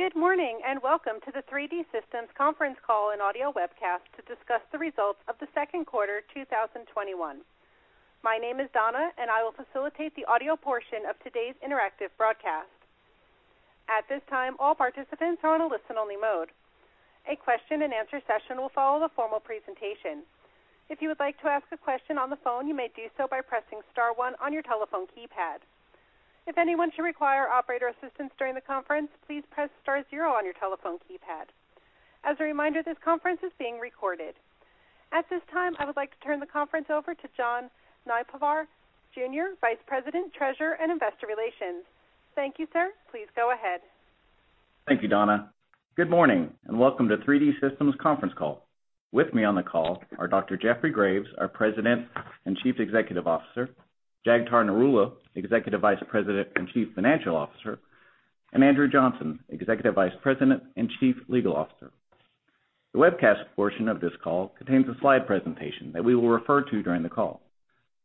Good morning, and welcome to the 3D Systems conference call and audio webcast to discuss the results of the second quarter 2021. My name is Donna, and I will facilitate the audio portion of today's interactive broadcast. At this time, all participants are on a listen-only mode. A question and answer session will follow the formal presentation. If you would like to ask a question on the phone, you may do so by pressing star one on your telephone keypad. If anyone should require operator assistance during the conference, please press star zero on your telephone keypad. As a reminder, this conference is being recorded. At this time, I would like to turn the conference over to John Nypaver, Jr., Vice President, Treasurer and Investor Relations. Thank you, sir. Please go ahead. Thank you, Donna. Good morning, and welcome to 3D Systems conference call. With me on the call are Dr. Jeffrey Graves, our President and Chief Executive Officer, Jagtar Narula, Executive Vice President and Chief Financial Officer, and Andrew Johnson, Executive Vice President and Chief Legal Officer. The webcast portion of this call contains a slide presentation that we will refer to during the call.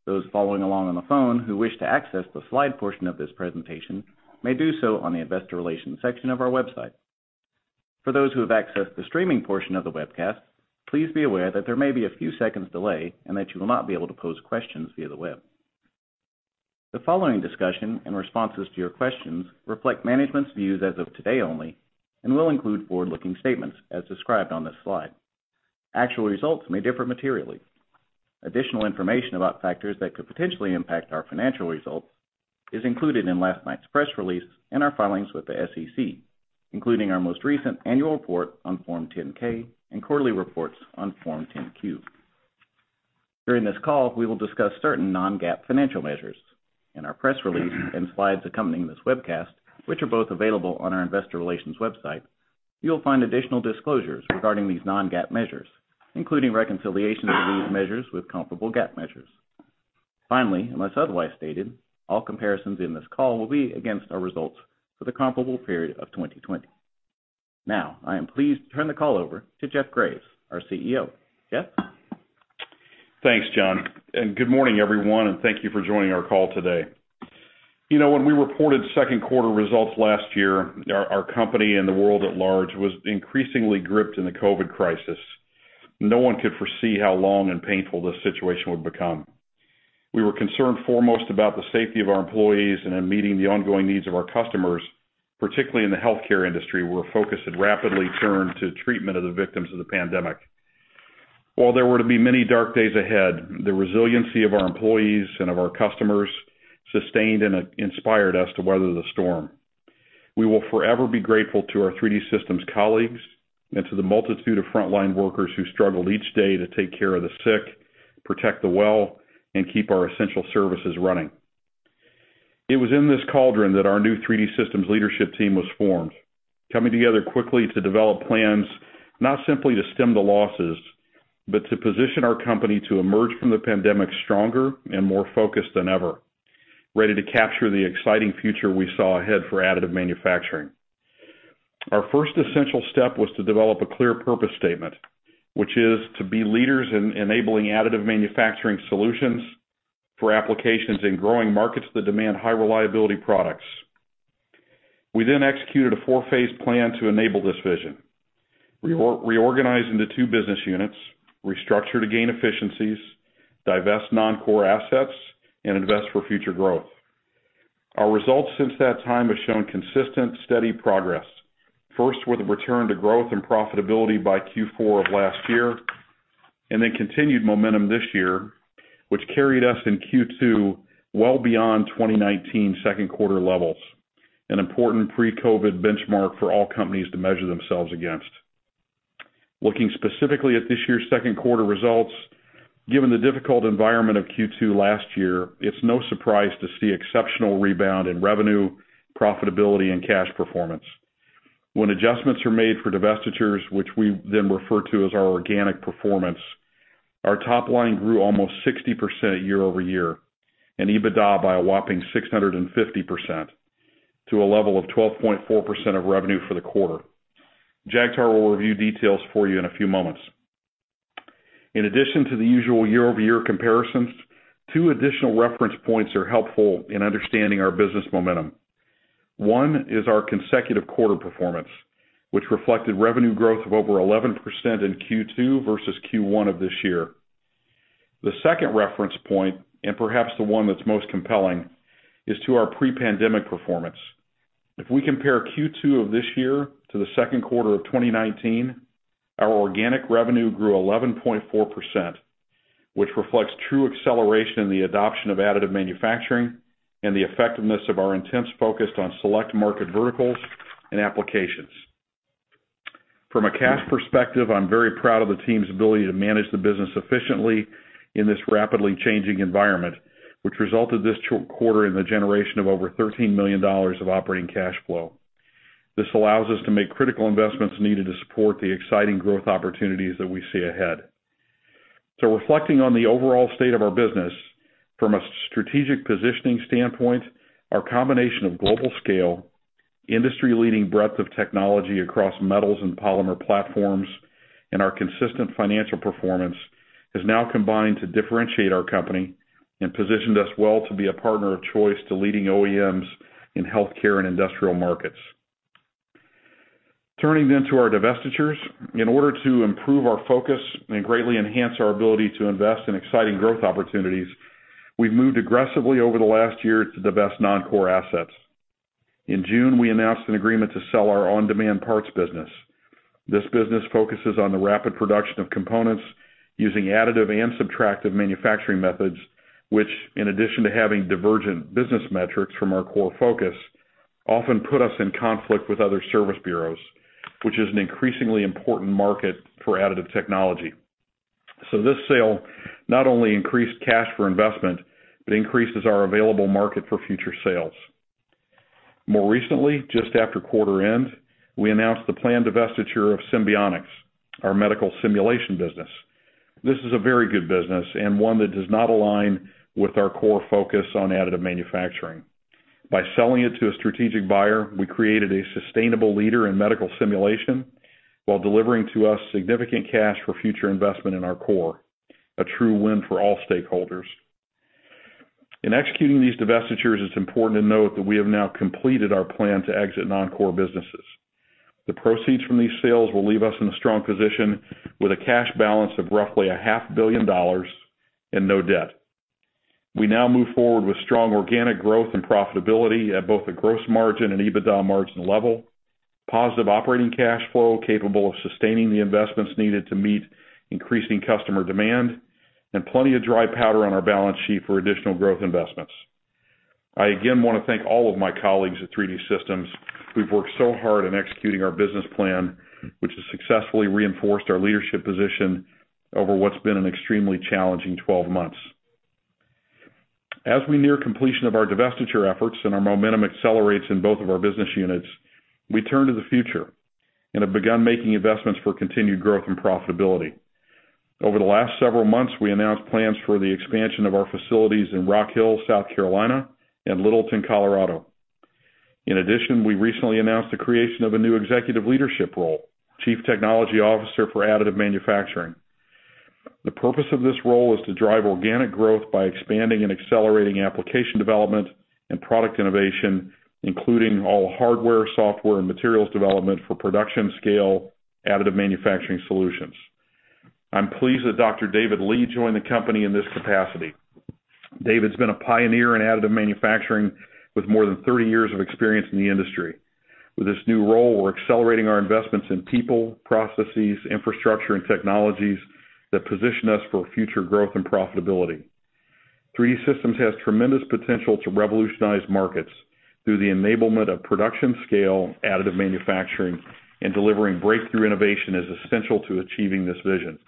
Those following along on the phone who wish to access the slide portion of this presentation may do so on the investor relations section of our website. For those who have accessed the streaming portion of the webcast, please be aware that there may be a few seconds delay and that you will not be able to pose questions via the web. The following discussion and responses to your questions reflect management's views as of today only and will include forward-looking statements as described on this slide. Actual results may differ materially. Additional information about factors that could potentially impact our financial results is included in last night's press release and our filings with the SEC, including our most recent annual report on Form 10-K and quarterly reports on Form 10-Q. During this call, we will discuss certain non-GAAP financial measures. In our press release and slides accompanying this webcast, which are both available on our investor relations website, you'll find additional disclosures regarding these non-GAAP measures, including reconciliation of these measures with comparable GAAP measures. Finally, unless otherwise stated, all comparisons in this call will be against our results for the comparable period of 2020. Now, I am pleased to turn the call over to Jeff Graves, our CEO. Jeff? Thanks, John, and good morning, everyone, and thank you for joining our call today. You know, when we reported second quarter results last year, our company and the world at large was increasingly gripped in the COVID crisis. No one could foresee how long and painful this situation would become. We were concerned foremost about the safety of our employees and in meeting the ongoing needs of our customers, particularly in the healthcare industry, where our focus had rapidly turned to treatment of the victims of the pandemic. While there were to be many dark days ahead, the resiliency of our employees and of our customers sustained and inspired us to weather the storm. We will forever be grateful to our 3D Systems colleagues and to the multitude of frontline workers who struggled each day to take care of the sick, protect the well, and keep our essential services running. It was in this cauldron that our new 3D Systems leadership team was formed, coming together quickly to develop plans not simply to stem the losses, but to position our company to emerge from the pandemic stronger and more focused than ever, ready to capture the exciting future we saw ahead for additive manufacturing. Our first essential step was to develop a clear purpose statement, which is to be leaders in enabling additive manufacturing solutions for applications in growing markets that demand high-reliability products. We then executed a four-phase plan to enable this vision. Reorganize into two business units, restructure to gain efficiencies, divest non-core assets, and invest for future growth. Our results since that time have shown consistent, steady progress. First with a return to growth and profitability by Q4 of last year, then continued momentum this year, which carried us in Q2 well beyond 2019 second quarter levels, an important pre-COVID benchmark for all companies to measure themselves against. Looking specifically at this year's second quarter results, given the difficult environment of Q2 last year, it's no surprise to see exceptional rebound in revenue, profitability, and cash performance. When adjustments are made for divestitures, which we then refer to as our organic performance, our top line grew almost 60% year-over-year, and EBITDA by a whopping 650% to a level of 12.4% of revenue for the quarter. Jagtar will review details for you in a few moments. In addition to the usual year-over-year comparisons, two additional reference points are helpful in understanding our business momentum. One is our consecutive quarter performance, which reflected revenue growth of over 11% in Q2 versus Q1 of this year. The second reference point, and perhaps the one that's most compelling, is to our pre-pandemic performance. If we compare Q2 of this year to the second quarter of 2019, our organic revenue grew 11.4%, which reflects true acceleration in the adoption of additive manufacturing and the effectiveness of our intense focus on select market verticals and applications. From a cash perspective, I'm very proud of the team's ability to manage the business efficiently in this rapidly changing environment, which resulted this two quarter in the generation of over $13 million of operating cash flow. This allows us to make critical investments needed to support the exciting growth opportunities that we see ahead. Reflecting on the overall state of our business, from a strategic positioning standpoint, our combination of global scale, industry-leading breadth of technology across metals and polymer platforms and our consistent financial performance has now combined to differentiate our company and positioned us well to be a partner of choice to leading OEMs in healthcare and industrial markets. Turning to our divestitures. In order to improve our focus and greatly enhance our ability to invest in exciting growth opportunities, we've moved aggressively over the last year to divest non-core assets. In June, we announced an agreement to sell our on-demand parts business. This business focuses on the rapid production of components using additive and subtractive manufacturing methods, which, in addition to having divergent business metrics from our core focus, often put us in conflict with other service bureaus, which is an increasingly important market for additive technology. This sale not only increased cash for investment, but increases our available market for future sales. More recently, just after quarter end, we announced the planned divestiture of Simbionix, our medical simulation business. This is a very good business, and one that does not align with our core focus on additive manufacturing. By selling it to a strategic buyer, we created a sustainable leader in medical simulation while delivering to us significant cash for future investment in our core, a true win for all stakeholders. In executing these divestitures, it's important to note that we have now completed our plan to exit non-core businesses. The proceeds from these sales will leave us in a strong position with a cash balance of roughly a $500 million and no debt. We now move forward with strong organic growth and profitability at both the gross margin and EBITDA margin level, positive operating cash flow capable of sustaining the investments needed to meet increasing customer demand, and plenty of dry powder on our balance sheet for additional growth investments. I again want to thank all of my colleagues at 3D Systems who've worked so hard in executing our business plan, which has successfully reinforced our leadership position over what's been an extremely challenging 12 months. As we near completion of our divestiture efforts and our momentum accelerates in both of our business units, we turn to the future and have begun making investments for continued growth and profitability. Over the last several months, we announced plans for the expansion of our facilities in Rock Hill, South Carolina, and Littleton, Colorado. In addition, we recently announced the creation of a new executive leadership role, chief technology officer for additive manufacturing. The purpose of this role is to drive organic growth by expanding and accelerating application development and product innovation, including all hardware, software, and materials development for production-scale additive manufacturing solutions. I'm pleased that Dr. David Leigh joined the company in this capacity. David's been a pioneer in additive manufacturing with more than 30 years of experience in the industry. With this new role, we're accelerating our investments in people, processes, infrastructure, and technologies that position us for future growth and profitability. 3D Systems has tremendous potential to revolutionize markets through the enablement of production-scale additive manufacturing, and delivering breakthrough innovation is essential to achieving this vision.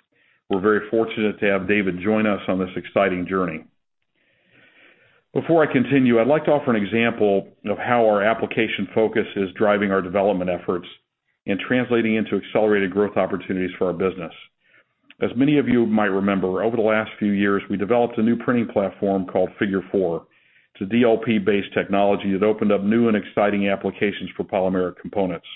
We're very fortunate to have David join us on this exciting journey. Before I continue, I'd like to offer an example of how our application focus is driving our development efforts and translating into accelerated growth opportunities for our business. As many of you might remember, over the last few years, we developed a new printing platform called Figure 4. It's a DLP-based technology that opened up new and exciting applications for polymeric components.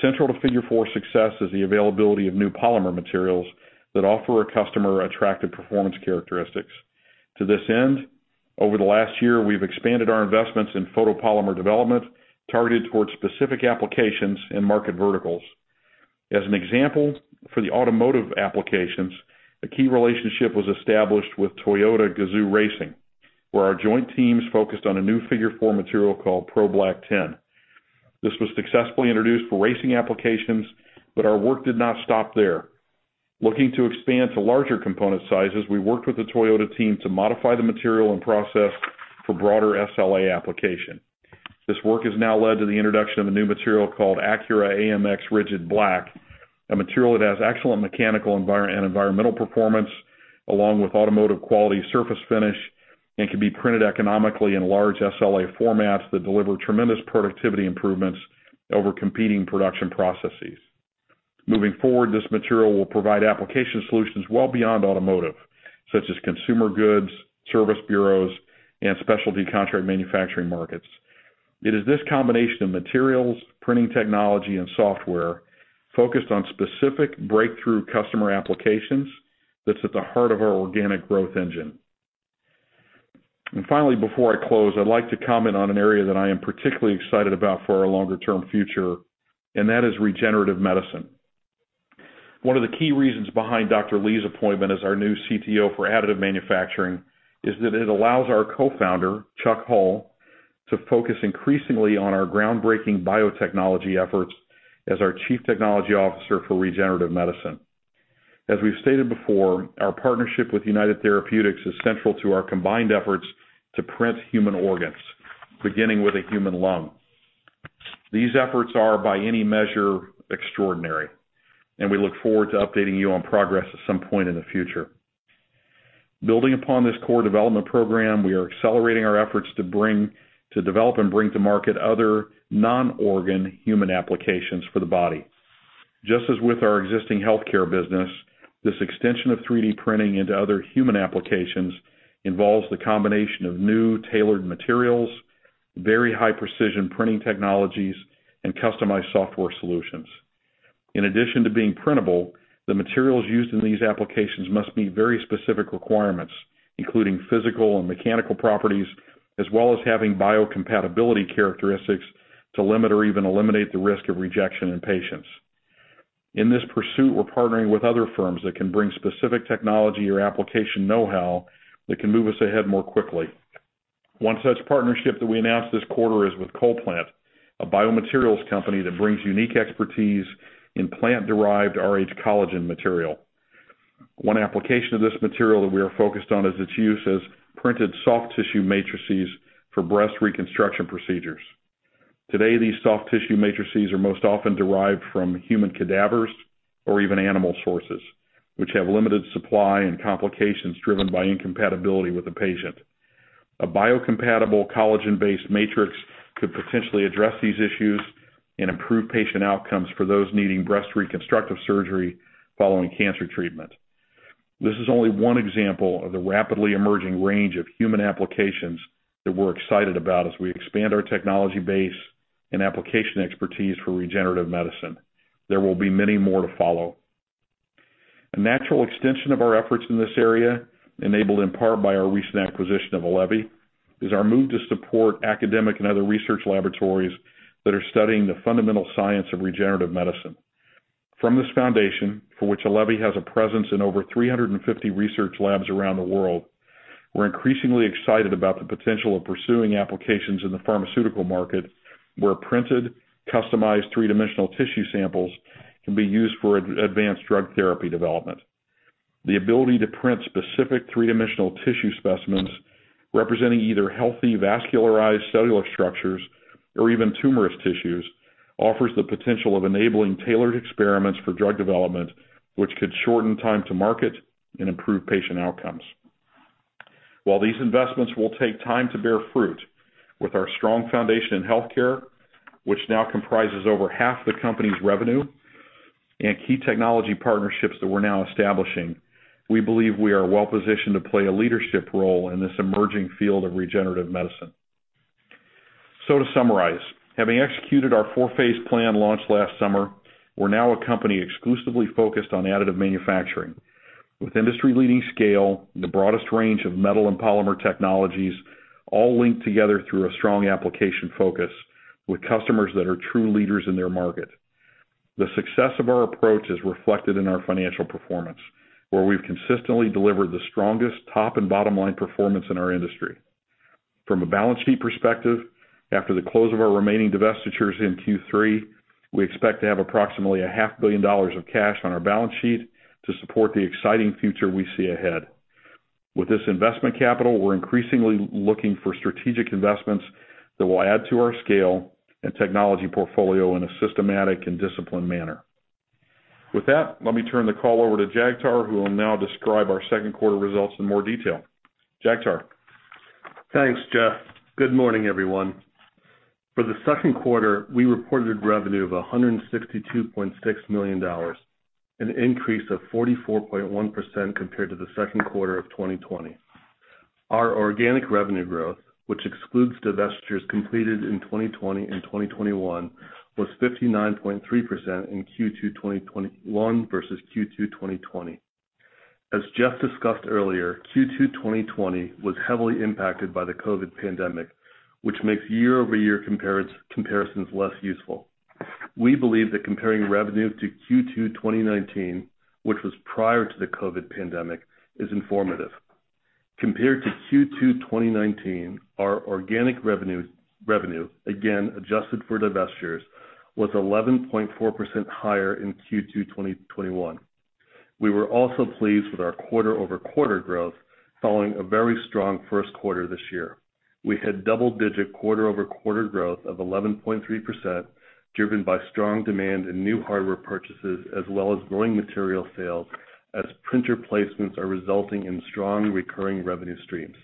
Central to Figure 4's success is the availability of new polymer materials that offer our customer attractive performance characteristics. To this end, over the last year, we've expanded our investments in photopolymer development targeted towards specific applications and market verticals. As an example, for the automotive applications, a key relationship was established with TOYOTA GAZOO Racing, where our joint teams focused on a new Figure 4 material called PRO-BLK 10. This was successfully introduced for racing applications, our work did not stop there. Looking to expand to larger component sizes, we worked with the Toyota team to modify the material and process for broader SLA application. This work has now led to the introduction of a new material called Accura AMX Rigid Black, a material that has excellent mechanical and environmental performance, along with automotive-quality surface finish, and can be printed economically in large SLA formats that deliver tremendous productivity improvements over competing production processes. Moving forward, this material will provide application solutions well beyond automotive, such as consumer goods, service bureaus, and specialty contract manufacturing markets. It is this combination of materials, printing technology, and software focused on specific breakthrough customer applications that's at the heart of our organic growth engine. Finally, before I close, I'd like to comment on an area that I am particularly excited about for our longer-term future, and that is regenerative medicine. One of the key reasons behind Dr. Leigh's appointment as our new CTO for Additive Manufacturing is that it allows our co-founder, Chuck Hull, to focus increasingly on our groundbreaking biotechnology efforts as our Chief Technology Officer for Regenerative Medicine. As we've stated before, our partnership with United Therapeutics is central to our combined efforts to print human organs, beginning with a human lung. These efforts are, by any measure, extraordinary, and we look forward to updating you on progress at some point in the future. Building upon this core development program, we are accelerating our efforts to bring, to develop and bring to market other non-organ human applications for the body. Just as with our existing healthcare business. This extension of 3D printing into other human applications involves the combination of new tailored materials, very high-precision printing technologies, and customized software solutions. In addition to being printable, the materials used in these applications must meet very specific requirements, including physical and mechanical properties, as well as having biocompatibility characteristics to limit or even eliminate the risk of rejection in patients. In this pursuit, we're partnering with other firms that can bring specific technology or application know-how that can move us ahead more quickly. One such partnership that we announced this quarter is with CollPlant, a biomaterials company that brings unique expertise in plant-derived rhCollagen material. One application of this material that we are focused on is its use as printed soft tissue matrices for breast reconstruction procedures. Today, these soft tissue matrices are most often derived from human cadavers or even animal sources, which have limited supply and complications driven by incompatibility with the patient. A biocompatible collagen-based matrix could potentially address these issues and improve patient outcomes for those needing breast reconstructive surgery following cancer treatment. This is only one example of the rapidly emerging range of human applications that we're excited about as we expand our technology base and application expertise for regenerative medicine. There will be many more to follow. A natural extension of our efforts in this area, enabled in part by our recent acquisition of Allevi, is our move to support academic and other research laboratories that are studying the fundamental science of regenerative medicine. From this foundation, for which Allevi has a presence in over 350 research labs around the world, we're increasingly excited about the potential of pursuing applications in the pharmaceutical market, where printed, customized three-dimensional tissue samples can be used for advanced drug therapy development. The ability to print specific three-dimensional tissue specimens representing either healthy vascularized cellular structures or even tumorous tissues offers the potential of enabling tailored experiments for drug development, which could shorten time to market and improve patient outcomes. While these investments will take time to bear fruit, with our strong foundation in healthcare, which now comprises over half the company's revenue, and key technology partnerships that we're now establishing, we believe we are well-positioned to play a leadership role in this emerging field of regenerative medicine. To summarize, having executed our four-phase plan launched last summer, we're now a company exclusively focused on additive manufacturing. With industry-leading scale, the broadest range of metal and polymer technologies all linked together through a strong application focus with customers that are true leaders in their market. The success of our approach is reflected in our financial performance, where we've consistently delivered the strongest top and bottom-line performance in our industry. From a balance sheet perspective, after the close of our remaining divestitures in Q3, we expect to have approximately a $500 million of cash on our balance sheet to support the exciting future we see ahead. With this investment capital, we're increasingly looking for strategic investments that will add to our scale and technology portfolio in a systematic and disciplined manner. With that, let me turn the call over to Jagtar, who will now describe our second quarter results in more detail. Jagtar? Thanks, Jeff. Good morning, everyone. For the second quarter, we reported revenue of $162.6 million, an increase of 44.1% compared to the second quarter of 2020. Our organic revenue growth, which excludes divestitures completed in 2020 and 2021, was 59.3% in Q2 2021 versus Q2 2020. As Jeff discussed earlier, Q2 2020 was heavily impacted by the COVID pandemic, which makes year-over-year comparisons less useful. We believe that comparing revenue to Q2 2019, which was prior to the COVID pandemic, is informative. Compared to Q2 2019, our organic revenue, again adjusted for divestitures, was 11.4% higher in Q2 2021. We were also pleased with our quarter-over-quarter growth following a very strong first quarter this year. We had double-digit quarter-over-quarter growth of 11.3%, driven by strong demand in new hardware purchases, as well as growing material sales, as printer placements are resulting in strong recurring revenue streams.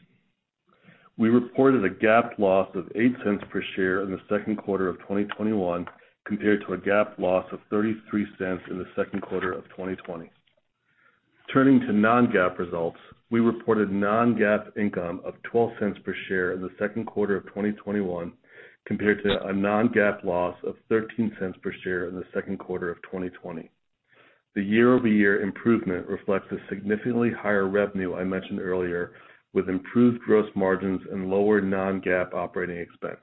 We reported a GAAP loss of $0.08 per share in the second quarter of 2021, compared to a GAAP loss of $0.33 in the second quarter of 2020. Turning to non-GAAP results, we reported non-GAAP income of $0.12 per share in the second quarter of 2021, compared to a non-GAAP loss of $0.13 per share in the second quarter of 2020. The year-over-year improvement reflects the significantly higher revenue I mentioned earlier, with improved gross margins and lower non-GAAP operating expense.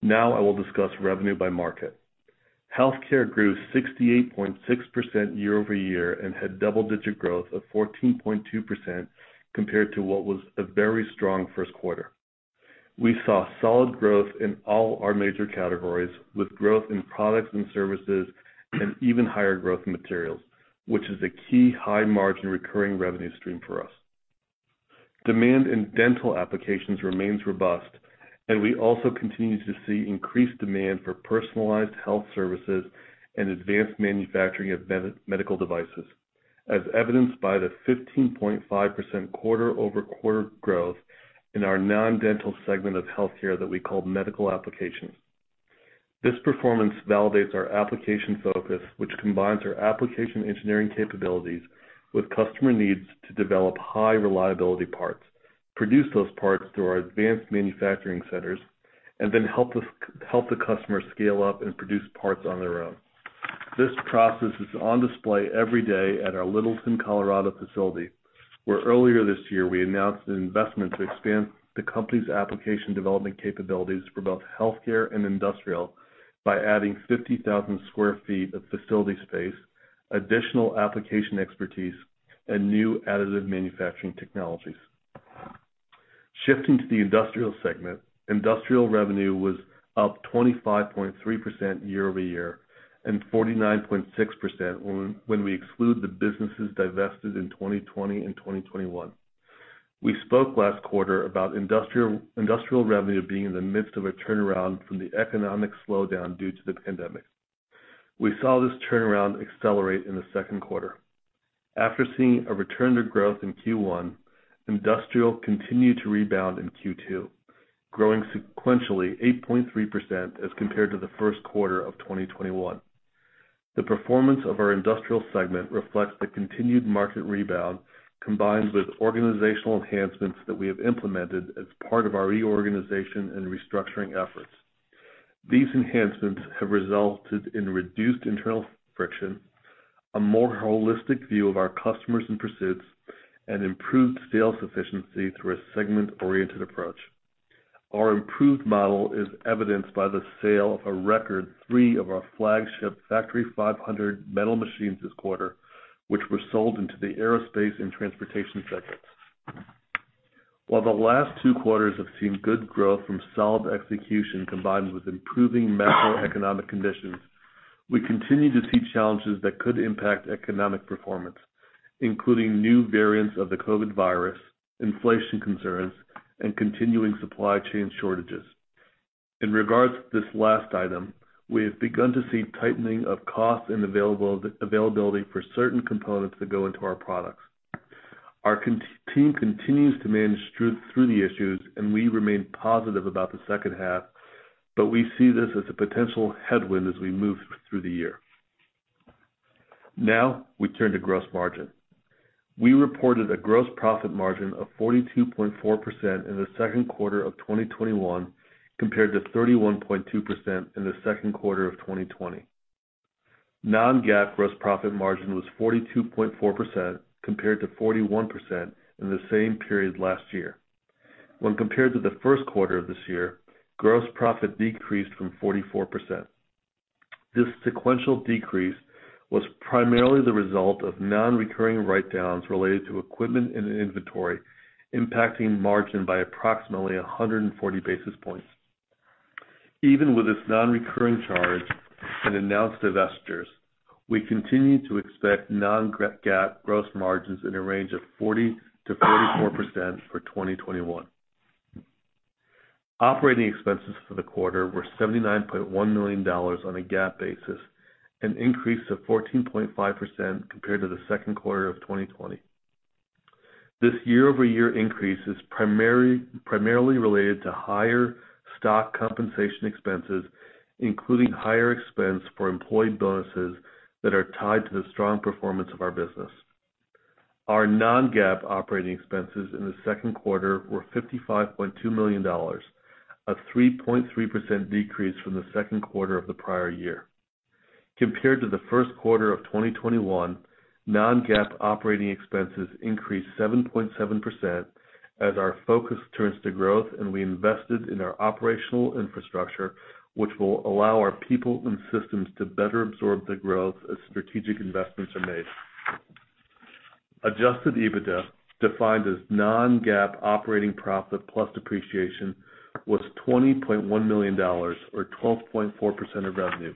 Now I will discuss revenue by market. Healthcare grew 68.6% year-over-year and had double-digit growth of 14.2% compared to what was a very strong first quarter. We saw solid growth in all our major categories, with growth in products and services and even higher growth in materials, which is a key high-margin recurring revenue stream for us. Demand in dental applications remains robust. We also continue to see increased demand for personalized health services and advanced manufacturing of medical devices, as evidenced by the 15.5% quarter-over-quarter growth in our non-dental segment of healthcare that we call medical applications. This performance validates our application focus, which combines our application engineering capabilities with customer needs to develop high-reliability parts, produce those parts through our advanced manufacturing centers, and then help the customer scale up and produce parts on their own. This process is on display every day at our Littleton, Colorado facility, where earlier this year we announced an investment to expand the company's application development capabilities for both healthcare and industrial by adding 50,000 sq ft of facility space, additional application expertise, and new additive manufacturing technologies. Shifting to the industrial segment, industrial revenue was up 25.3% year-over-year and 49.6% when we exclude the businesses divested in 2020 and 2021. We spoke last quarter about industrial revenue being in the midst of a turnaround from the economic slowdown due to the pandemic. We saw this turnaround accelerate in the second quarter. After seeing a return to growth in Q1, industrial continued to rebound in Q2, growing sequentially 8.3% as compared to the first quarter of 2021. The performance of our industrial segment reflects the continued market rebound combined with organizational enhancements that we have implemented as part of our reorganization and restructuring efforts. These enhancements have resulted in reduced internal friction, a more holistic view of our customers and pursuits, and improved sales efficiency through a segment-oriented approach. Our improved model is evidenced by the sale of a record three of our flagship Factory 500 metal machines this quarter, which were sold into the aerospace and transportation segments. While the last two quarters have seen good growth from solid execution combined with improving macroeconomic conditions, we continue to see challenges that could impact economic performance, including new variants of the COVID virus, inflation concerns, and continuing supply chain shortages. In regards to this last item, we have begun to see tightening of cost and availability for certain components that go into our products. Our team continues to manage through the issues, and we remain positive about the second half, but we see this as a potential headwind as we move through the year. Now, we turn to gross margin. We reported a gross profit margin of 42.4% in the second quarter of 2021 compared to 31.2% in the second quarter of 2020. Non-GAAP gross profit margin was 42.4% compared to 41% in the same period last year. When compared to the first quarter of this year, gross profit decreased from 44%. This sequential decrease was primarily the result of non-recurring write-downs related to equipment and inventory impacting margin by approximately 140 basis points. Even with this non-recurring charge and announced divestitures, we continue to expect non-GAAP gross margins in a range of 40%-44% for 2021. Operating expenses for the quarter were $79.1 million on a GAAP basis, an increase of 14.5% compared to the second quarter of 2020. This year-over-year increase is primarily related to higher stock compensation expenses, including higher expense for employee bonuses that are tied to the strong performance of our business. Our non-GAAP operating expenses in the second quarter were $55.2 million, a 3.3% decrease from the second quarter of the prior year. Compared to the first quarter of 2021, non-GAAP operating expenses increased 7.7% as our focus turns to growth and we invested in our operational infrastructure, which will allow our people and systems to better absorb the growth as strategic investments are made. Adjusted EBITDA, defined as non-GAAP operating profit plus depreciation, was $20.1 million or 12.4% of revenue,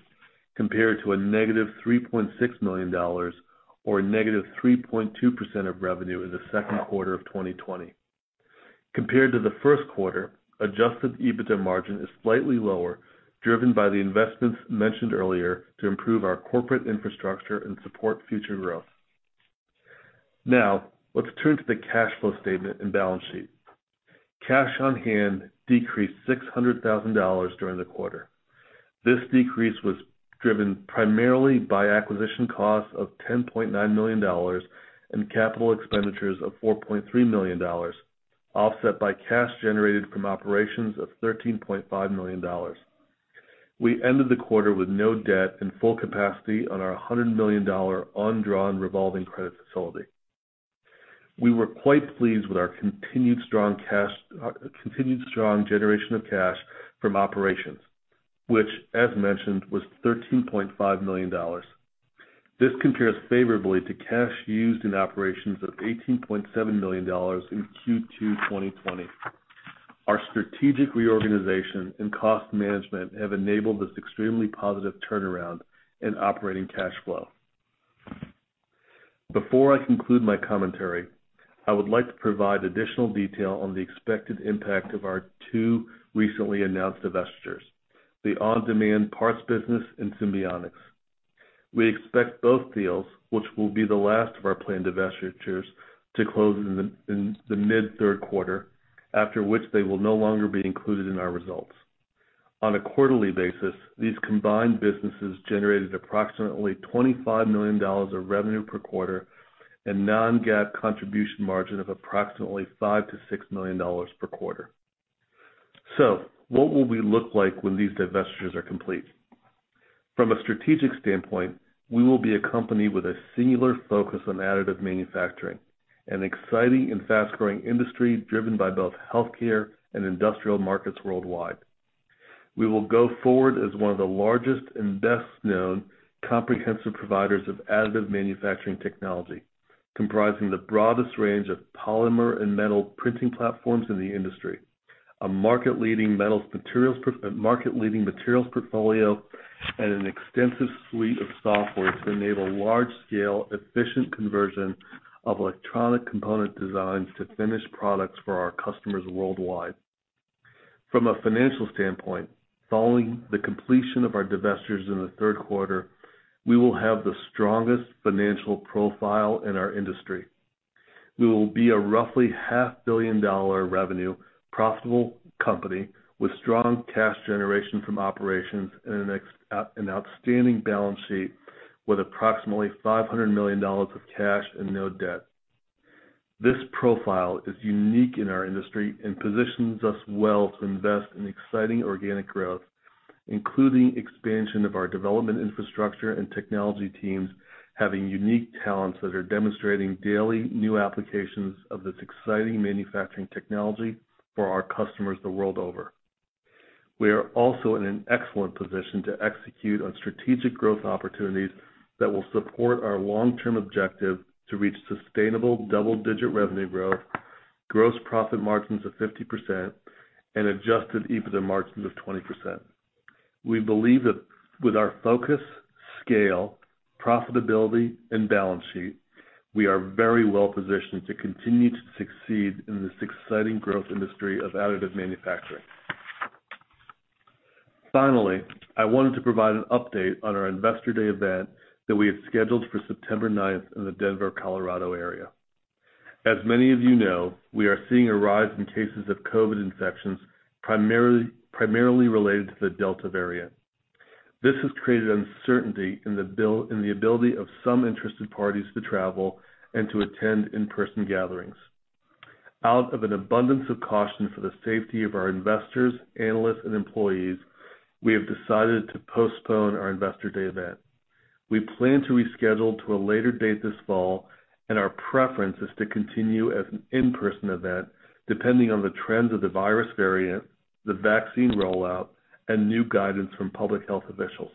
compared to a -$3.6 million or a -3.2% of revenue in the second quarter of 2020. Compared to the first quarter, adjusted EBITDA margin is slightly lower, driven by the investments mentioned earlier to improve our corporate infrastructure and support future growth. Now, let's turn to the cash flow statement and balance sheet. Cash on hand decreased $600,000 during the quarter. This decrease was driven primarily by acquisition costs of $10.9 million and capital expenditures of $4.3 million, offset by cash generated from operations of $13.5 million. We ended the quarter with no debt and full capacity on our $100 million undrawn revolving credit facility. We were quite pleased with our continued strong generation of cash from operations, which as mentioned, was $13.5 million. This compares favorably to cash used in operations of $18.7 million in Q2 2020. Our strategic reorganization and cost management have enabled this extremely positive turnaround in operating cash flow. Before I conclude my commentary, I would like to provide additional detail on the expected impact of our two recently announced divestitures, the on-demand parts business and Simbionix. We expect both deals, which will be the last of our planned divestitures, to close in the mid-third quarter, after which they will no longer be included in our results. On a quarterly basis, these combined businesses generated approximately $25 million of revenue per quarter and non-GAAP contribution margin of approximately $5 million-$6 million per quarter. What will we look like when these divestitures are complete? From a strategic standpoint, we will be a company with a singular focus on additive manufacturing, an exciting and fast-growing industry driven by both healthcare and industrial markets worldwide. We will go forward as one of the largest and best-known comprehensive providers of additive manufacturing technology, comprising the broadest range of polymer and metal printing platforms in the industry, a market-leading materials portfolio, and an extensive suite of software to enable large-scale efficient conversion of electronic component designs to finished products for our customers worldwide. From a financial standpoint, following the completion of our divestitures in the third quarter, we will have the strongest financial profile in our industry. We will be a roughly $500 million revenue profitable company with strong cash generation from operations and an outstanding balance sheet with approximately $500 million of cash and no debt. This profile is unique in our industry and positions us well to invest in exciting organic growth, including expansion of our development infrastructure and technology teams having unique talents that are demonstrating daily new applications of this exciting manufacturing technology for our customers the world over. We are also in an excellent position to execute on strategic growth opportunities that will support our long-term objective to reach sustainable double-digit revenue growth, gross profit margins of 50%, and adjusted EBITDA margins of 20%. We believe that with our focus, scale, profitability, and balance sheet, we are very well-positioned to continue to succeed in this exciting growth industry of additive manufacturing. Finally, I wanted to provide an update on our Investor Day event that we had scheduled for September 9th in the Denver, Colorado area. As many of you know, we are seeing a rise in cases of COVID infections primarily related to the Delta variant. This has created uncertainty in the ability of some interested parties to travel and to attend in-person gatherings. Out of an abundance of caution for the safety of our investors, analysts, and employees, we have decided to postpone our Investor Day event. We plan to reschedule to a later date this fall, and our preference is to continue as an in-person event, depending on the trends of the virus variant, the vaccine rollout, and new guidance from public health officials.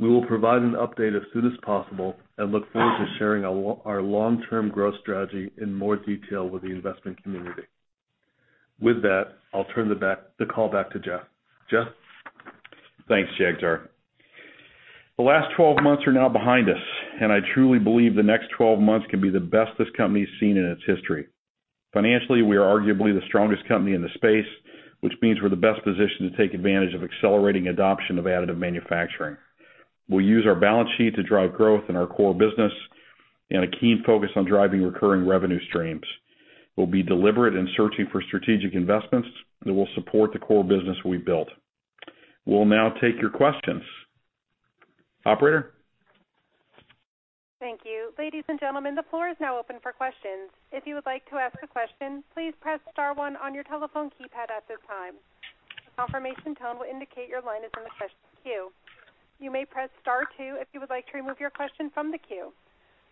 We will provide an update as soon as possible and look forward to sharing our long-term growth strategy in more detail with the investment community. With that, I'll turn the call back to Jeff. Jeff? Thanks, Jagtar. The last 12 months are now behind us, and I truly believe the next 12 months can be the best this company's seen in its history. Financially, we are arguably the strongest company in the space, which means we're the best positioned to take advantage of accelerating adoption of additive manufacturing. We'll use our balance sheet to drive growth in our core business and a keen focus on driving recurring revenue streams. We'll be deliberate in searching for strategic investments that will support the core business we built. We'll now take your questions. Operator? Thank you. Ladies and gentlemen, the floor is now open for questions. If you would like to ask a question, please press star one on your telephone keypad at this time. Confirmation tone will indicate your line is in the queue. You may press star two if you would like to remove your question from the queue.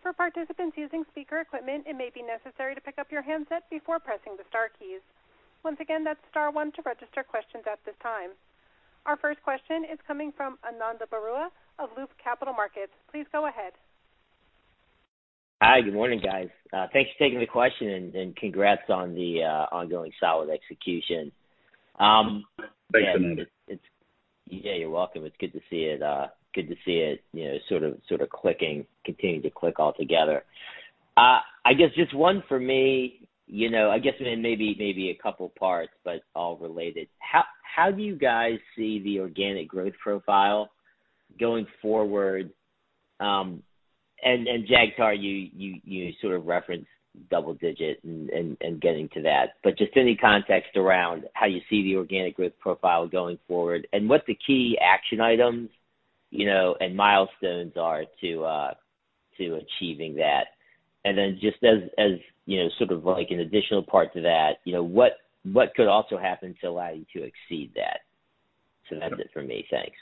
For participants using speaker, it may be necessary to pickup your handset before pressing the star key. Once again, that's star one to register question at this time. Our first question is coming from Ananda Baruah of Loop Capital Markets. Please go ahead. Hi. Good morning, guys. Thanks for taking the question and congrats on the ongoing solid execution. Thanks, Ananda. Yeah, you're welcome. It's good to see it sort of continuing to click altogether. I guess just one for me, you know, I guess maybe a couple parts, but all related. How do you guys see the organic growth profile going forward? Then Jagtar, you sort of referenced double-digit and getting to that. Just any context around how you see the organic growth profile going forward and what the key action items and milestones are to achieving that. Just as sort of an additional part to that, what could also happen to allow you to exceed that? That's it for me. Thanks.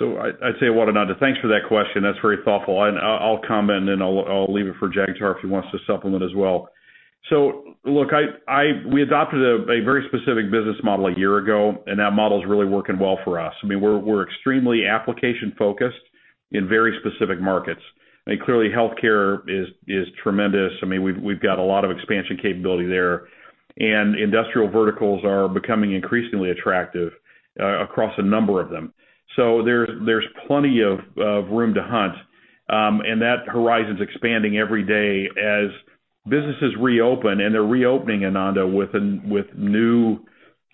I say, well Ananda, thanks for that question. That's very thoughtful. I'll comment and then I'll leave it for Jagtar if he wants to supplement as well. Look, we adopted a very specific business model a year ago, and that model's really working well for us. I mean, we're extremely application-focused in very specific markets, and clearly healthcare is tremendous. I mean, we've got a lot of expansion capability there, and industrial verticals are becoming increasingly attractive across a number of them. There's plenty of room to hunt. That horizon is expanding every day as businesses reopen, and they're reopening, Ananda, with new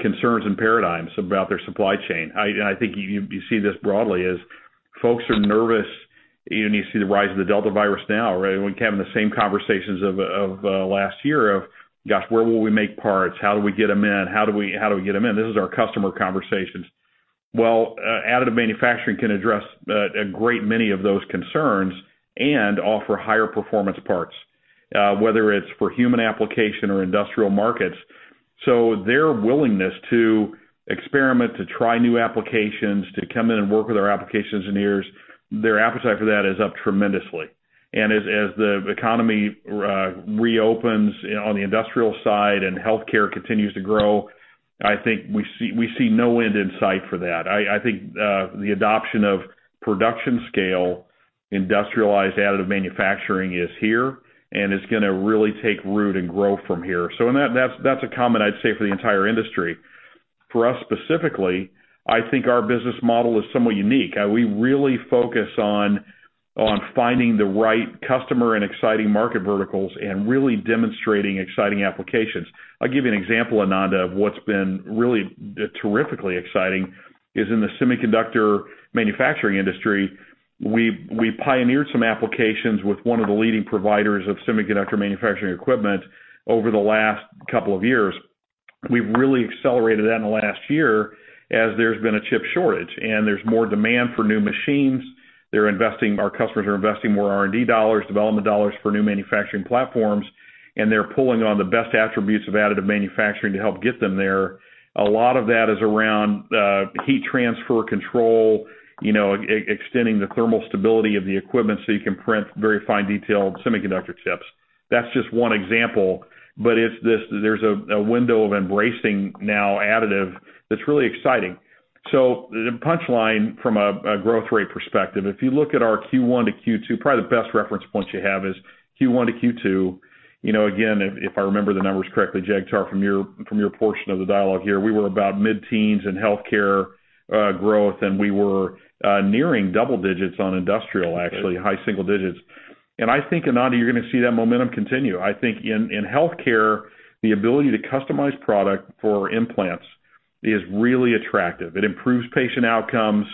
concerns and paradigms about their supply chain. I think you see this broadly as folks are nervous, and you see the rise of the Delta variant now, right? We're kind of having the same conversations of last year of, gosh, where will we make parts? How do we get them in? This is our customer conversations. Well, additive manufacturing can address a great many of those concerns and offer higher performance parts, whether it's for human application or industrial markets. Their willingness to experiment, to try new applications, to come in and work with our applications engineers, their appetite for that is up tremendously. As the economy reopens on the industrial side and healthcare continues to grow, I think we see no end in sight for that. I think the adoption of production scale, industrialized additive manufacturing is here, and it's going to really take root and grow from here. That's a comment I'd say for the entire industry. For us specifically, I think our business model is somewhat unique. We really focus on finding the right customer and exciting market verticals and really demonstrating exciting applications. I'll give you an example, Ananda, of what's been really terrifically exciting is in the semiconductor manufacturing industry, we pioneered some applications with one of the leading providers of semiconductor manufacturing equipment over the last couple of years. We've really accelerated that in the last year as there's been a chip shortage, and there's more demand for new machines. They're investing, our customers are investing more R&D dollars, development dollars for new manufacturing platforms, and they're pulling on the best attributes of additive manufacturing to help get them there. A lot of that is around heat transfer control, you know, extending the thermal stability of the equipment so you can print very fine detailed semiconductor chips. That's just one example. There's a window of embracing now additive that's really exciting. The punchline from a growth rate perspective, if you look at our Q1 to Q2, probably the best reference point you have is Q1 to Q2. Again, if I remember the numbers correctly, Jagtar, from your portion of the dialogue here, we were about mid-teens in healthcare growth, and we were nearing double digits on industrial, actually, high single digits. I think, Ananda, you're going to see that momentum continue. I think in healthcare, the ability to customize product for implants is really attractive. It improves patient outcomes.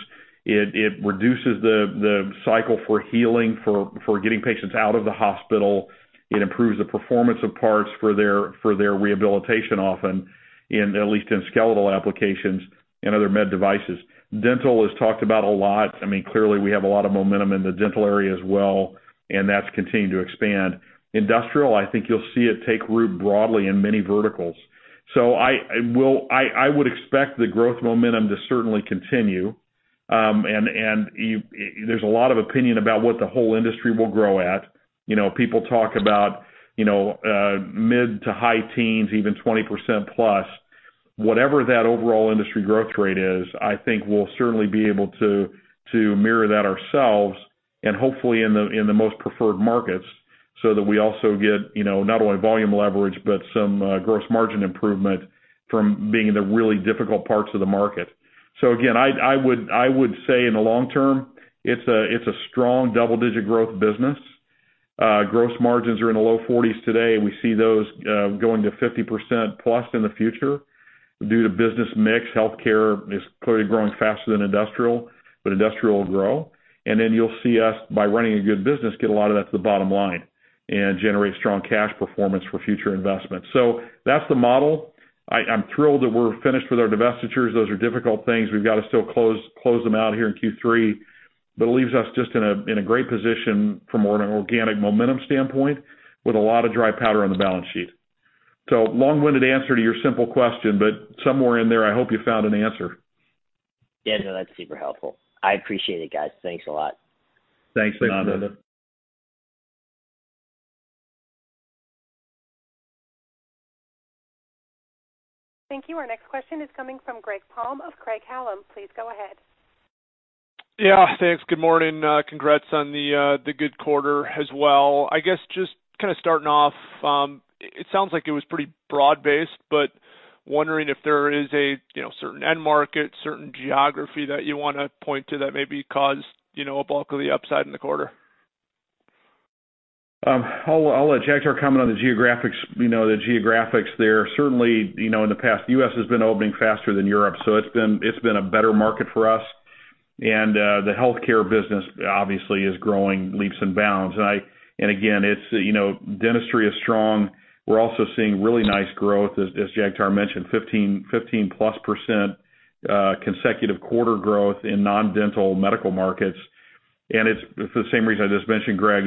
It reduces the cycle for healing, for getting patients out of the hospital. It improves the performance of parts for their rehabilitation, often, at least in skeletal applications and other med devices. Dental is talked about a lot. Clearly, we have a lot of momentum in the dental area as well, and that's continuing to expand. Industrial, I think you'll see it take root broadly in many verticals. I would expect the growth momentum to certainly continue. There's a lot of opinion about what the whole industry will grow at. People talk about mid-to-high teens, even 20%+. Whatever that overall industry growth rate is, I think we'll certainly be able to mirror that ourselves and hopefully in the most preferred markets so that we also get not only volume leverage, but some gross margin improvement from being in the really difficult parts of the market. Again, I would say in the long term, it's a strong double-digit growth business. Gross margins are in the low 40s today, and we see those going to 50%+ in the future due to business mix. Healthcare is clearly growing faster than industrial, but industrial will grow. You'll see us, by running a good business, get a lot of that to the bottom line and generate strong cash performance for future investments. That's the model. I'm thrilled that we're finished with our divestitures. Those are difficult things. We've got to still close them out here in Q3. It leaves us just in a great position from an organic momentum standpoint with a lot of dry powder on the balance sheet. Long-winded answer to your simple question, but somewhere in there, I hope you found an answer. Yeah, no, that's super helpful. I appreciate it, guys. Thanks a lot. Thanks, Ananda. Thank you. Our next question is coming from Greg Palm of Craig-Hallum. Please go ahead. Yeah, thanks. Good morning. Congrats on the good quarter as well. I guess just kind of starting off, it sounds like it was pretty broad-based, but wondering if there is a certain end market, certain geography that you want to point to that maybe caused a bulk of the upside in the quarter? I'll let Jagtar comment on the geographics, you know, the geographics there. Certainly, you know, in the past, the U.S. has been opening faster than Europe, so it's been a better market for us. The healthcare business obviously is growing leaps and bounds. Right? Again, it's you know, dentistry is strong. We're also seeing really nice growth, as Jagtar mentioned, 15%+ consecutive quarter growth in non-dental medical markets. It's the same reason I just mentioned, Greg.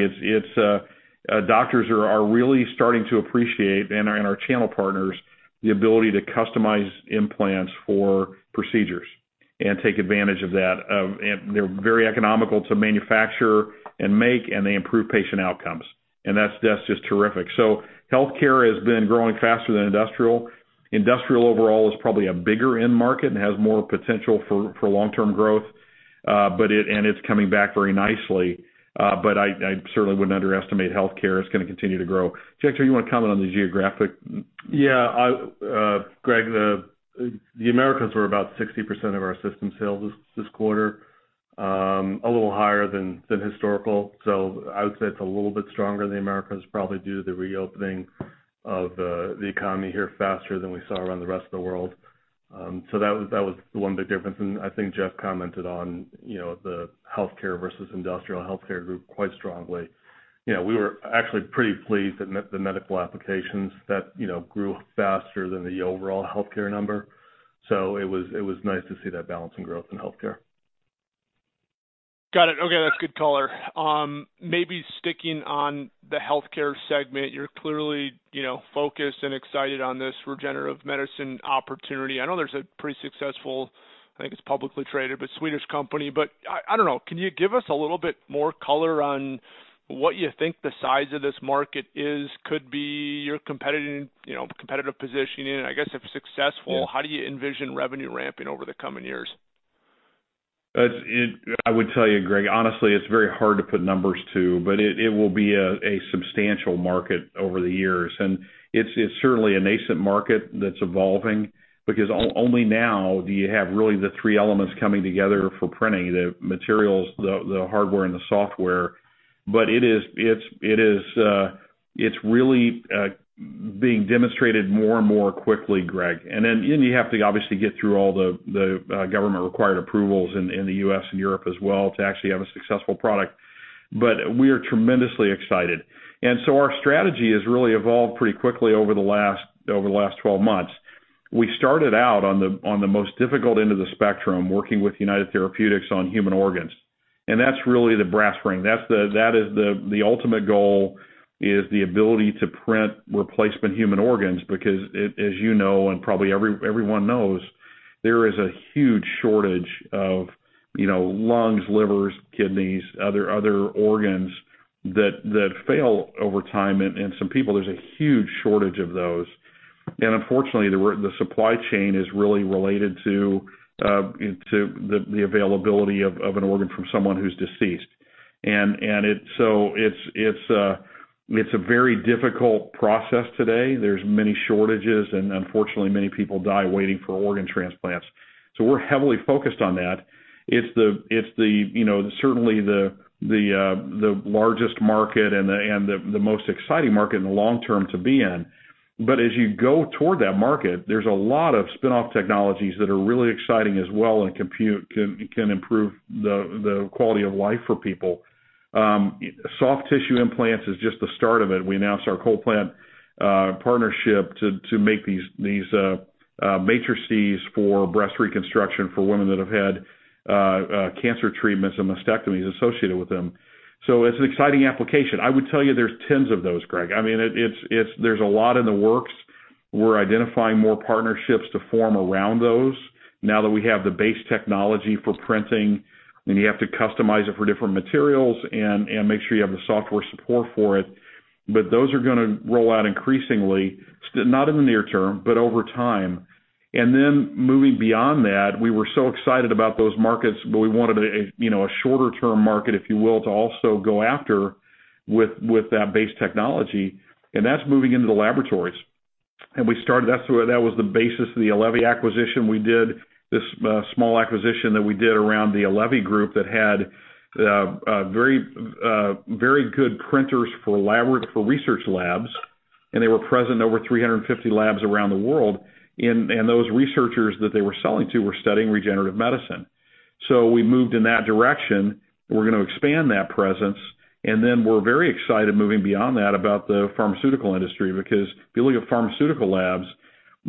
Doctors are really starting to appreciate and our channel partners, the ability to customize implants for procedures and take advantage of that. They're very economical to manufacture and make, and they improve patient outcomes. That's just terrific. Healthcare has been growing faster than industrial. Industrial overall is probably a bigger end market and has more potential for long-term growth, and it's coming back very nicely. I certainly wouldn't underestimate healthcare. It's going to continue to grow. Jagtar, you want to comment on the geographic? Yeah. Greg, the Americas were about 60% of our system sales this quarter. A little higher than historical. I would say it's a little bit stronger in the Americas, probably due to the reopening of the economy here faster than we saw around the rest of the world. That was one big difference. I think Jeff commented on, you know, the healthcare versus industrial. Healthcare grew quite strongly. You know, we were actually pretty pleased at the medical applications that, you know, grew faster than the overall healthcare number. It was nice to see that balancing growth in healthcare. Got it. Okay. That's good color. Maybe sticking on the healthcare segment, you're clearly, you know, focused and excited on this regenerative medicine opportunity. I know there's a pretty successful, I think it's publicly traded, but Swedish company. I don't know. Can you give us a little bit more color on what you think the size of this market is, could be, your competitive positioning, and I guess if successful- Yeah. How do you envision revenue ramping over the coming years? I would tell you, Greg, honestly, it's very hard to put numbers to. It will be a substantial market over the years. It's certainly a nascent market that's evolving, because only now do you have really the three elements coming together for printing, the materials, the hardware, and the software. It's really being demonstrated more and more quickly, Greg. Then you have to obviously get through all the government-required approvals in the U.S. and Europe as well to actually have a successful product. We are tremendously excited. So our strategy has really evolved pretty quickly over the last 12 months. We started out on the most difficult end of the spectrum, working with United Therapeutics on human organs. That's really the brass ring. The ultimate goal is the ability to print replacement human organs, because as you know, and probably everyone knows, there is a huge shortage of, you know, lungs, livers, kidneys, other organs that fail over time in some people. There's a huge shortage of those. Unfortunately, the supply chain is really related to the availability of an organ from someone who's deceased. It's a very difficult process today. There's many shortages, and unfortunately, many people die waiting for organ transplants. We're heavily focused on that. It's certainly the largest market and the most exciting market in the long term to be in. As you go toward that market, there's a lot of spinoff technologies that are really exciting as well, and can improve the quality of life for people. Soft tissue implants is just the start of it. We announced our CollPlant partnership to make these matrices for breast reconstruction for women that have had cancer treatments and mastectomies associated with them. It's an exciting application. I would tell you there's tens of those, Greg. There's a lot in the works. We're identifying more partnerships to form around those now that we have the base technology for printing, and you have to customize it for different materials and make sure you have the software support for it. Those are going to roll out increasingly, not in the near term, but over time. Moving beyond that, we were so excited about those markets, but we wanted a shorter-term market, if you will, to also go after with that base technology, and that's moving into the laboratories. That was the basis of the Allevi acquisition we did, this small acquisition that we did around the Allevi group that had very good printers for research labs, and they were present in over 350 labs around the world. Those researchers that they were selling to were studying regenerative medicine. We moved in that direction. We're going to expand that presence, and then we're very excited moving beyond that about the pharmaceutical industry, because if you look at pharmaceutical labs,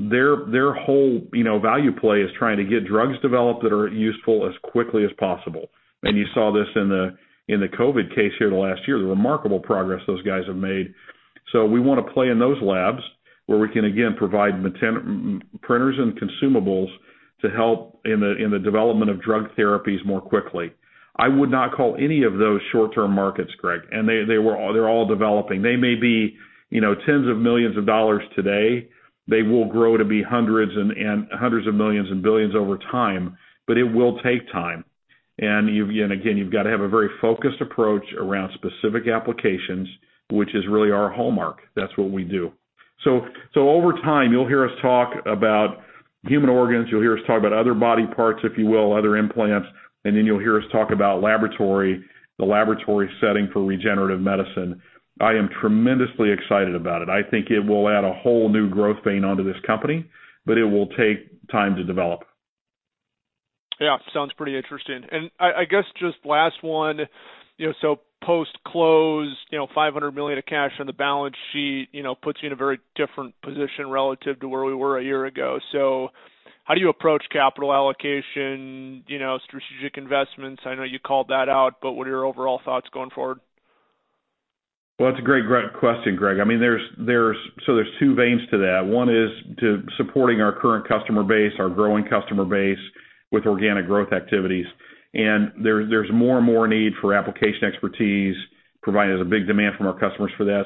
their whole value play is trying to get drugs developed that are useful as quickly as possible, and you saw this in the COVID case here the last year, the remarkable progress those guys have made. We want to play in those labs where we can, again, provide printers and consumables to help in the development of drug therapies more quickly. I would not call any of those short-term markets, Greg. They're all developing. They may be tens of millions of dollars today. They will grow to be hundreds of millions and billions over time, but it will take time. Again, you've got to have a very focused approach around specific applications, which is really our hallmark. That's what we do. Over time, you'll hear us talk about human organs, you'll hear us talk about other body parts, if you will, other implants, and then you'll hear us talk about laboratory. The laboratory setting for regenerative medicine. I am tremendously excited about it. I think it will add a whole new growth vein onto this company, but it will take time to develop. Yeah. Sounds pretty interesting. I guess just last one. Post-close, $500 million of cash on the balance sheet puts you in a very different position relative to where we were a year ago. How do you approach capital allocation, strategic investments? I know you called that out, but what are your overall thoughts going forward? Well, that's a great question, Greg. There's two veins to that. One is to supporting our current customer base, our growing customer base with organic growth activities. There's more and more need for application expertise, providing there's a big demand from our customers for that.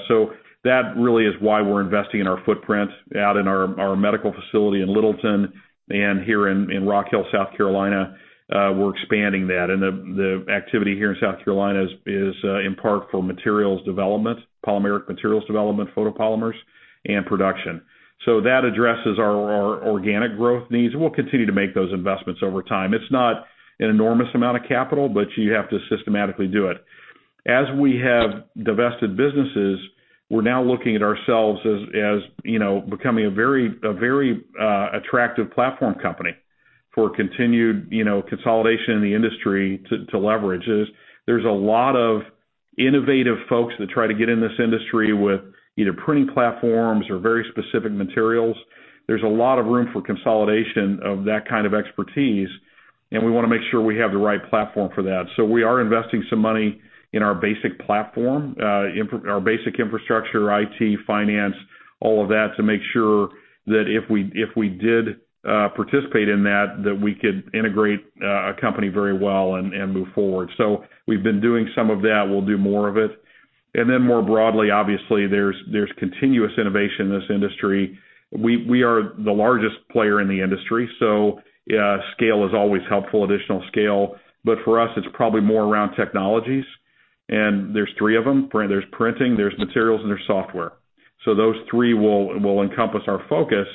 That really is why we're investing in our footprint out in our medical facility in Littleton and here in Rock Hill, South Carolina. We're expanding that. The activity here in South Carolina is in part for materials development, polymeric materials development, photopolymers, and production. That addresses our organic growth needs, and we'll continue to make those investments over time. It's not an enormous amount of capital, but you have to systematically do it. As we have divested businesses, we're now looking at ourselves as becoming a very attractive platform company for continued consolidation in the industry to leverage. There's a lot of innovative folks that try to get in this industry with either printing platforms or very specific materials. There's a lot of room for consolidation of that kind of expertise, and we want to make sure we have the right platform for that. We are investing some money in our basic platform, our basic infrastructure, IT, finance, all of that, to make sure that if we did participate in that we could integrate a company very well and move forward. We've been doing some of that. We'll do more of it. More broadly, obviously, there's continuous innovation in this industry. We are the largest player in the industry, so scale is always helpful, additional scale. For us, it's probably more around technologies, and there's three of them. There's printing, there's materials, and there's software. Those three will encompass our focus.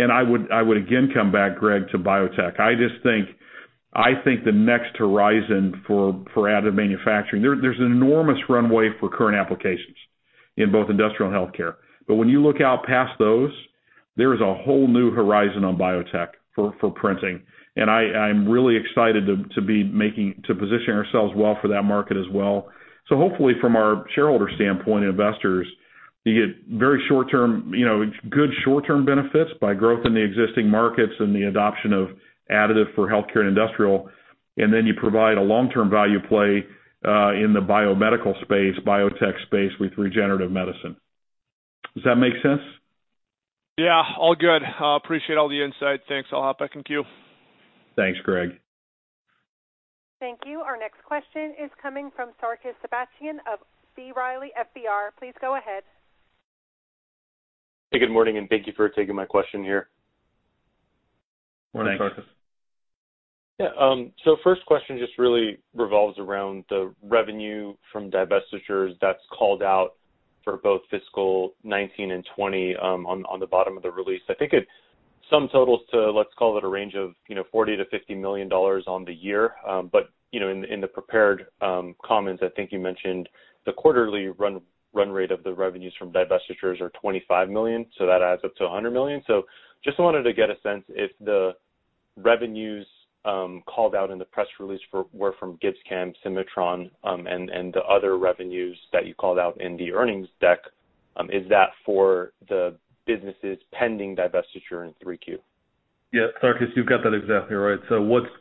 I would again come back, Greg, to biotech. I think the next horizon for additive manufacturing, there's an enormous runway for current applications in both industrial and healthcare. When you look out past those, there is a whole new horizon on biotech for printing, and I'm really excited to position ourselves well for that market as well. Hopefully from our shareholder standpoint, investors, you get good short-term benefits by growth in the existing markets and the adoption of additive for healthcare and industrial. Then you provide a long-term value play in the biomedical space, biotech space with regenerative medicine. Does that make sense? Yeah. All good. I appreciate all the insight. Thanks. I'll hop back in queue. Thanks, Greg. Thank you. Our next question is coming from Sarkis Sherbetchyan of B. Riley FBR. Please go ahead. Hey, good morning, and thank you for taking my question here. Morning, Sarkis. Yeah. First question just really revolves around the revenue from divestitures that's called out for both fiscal 2019 and 2020 on the bottom of the release. I think it sum totals to, let's call it a range of $40 million-$50 million on the year. But in the prepared comments, I think you mentioned the quarterly run rate of the revenues from divestitures are $25 million, that adds up to $100 million. Just wanted to get a sense if the revenues called out in the press release were from GibbsCAM, Cimatron, and the other revenues that you called out in the earnings deck. Is that for the businesses pending divestiture in 3Q? Yeah, Sarkis, you've got that exactly right.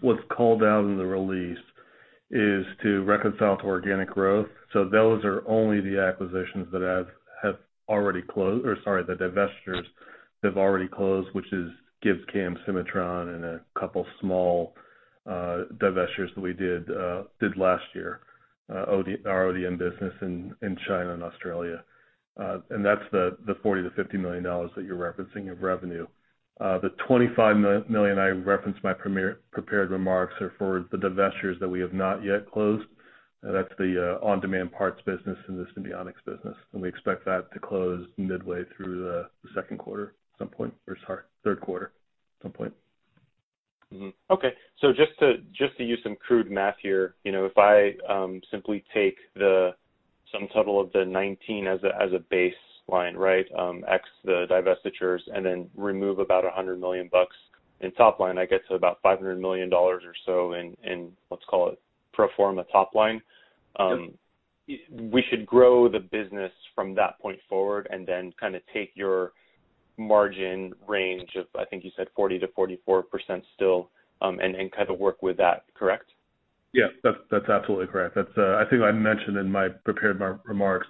What's called out in the release is to reconcile to organic growth. Those are only the acquisition for that had already closed, sorry, the divestitures that have already closed, which is GibbsCAM, Cimatron, and a couple small divestitures that we did last year, our ODM business in China and Australia. That's the $40 million-$50 million that you're referencing of revenue. The $25 million I referenced in my prepared remarks are for the divestitures that we have not yet closed. That's the on-demand parts business and the Simbionix business. We expect that to close midway through the second quarter some point, sorry, third quarter at some point. Okay. Just to use some crude math here, if I simply take the sum total of the 2019 as a baseline, right? X the divestitures and then remove about $100 million in top line, I get to about $500 million or so in, let's call it pro forma top line. We should grow the business from that point forward and then kind of take your margin range of, I think you said 40%-44% still, and kind of work with that, correct? That's absolutely correct. I think I mentioned in my prepared remarks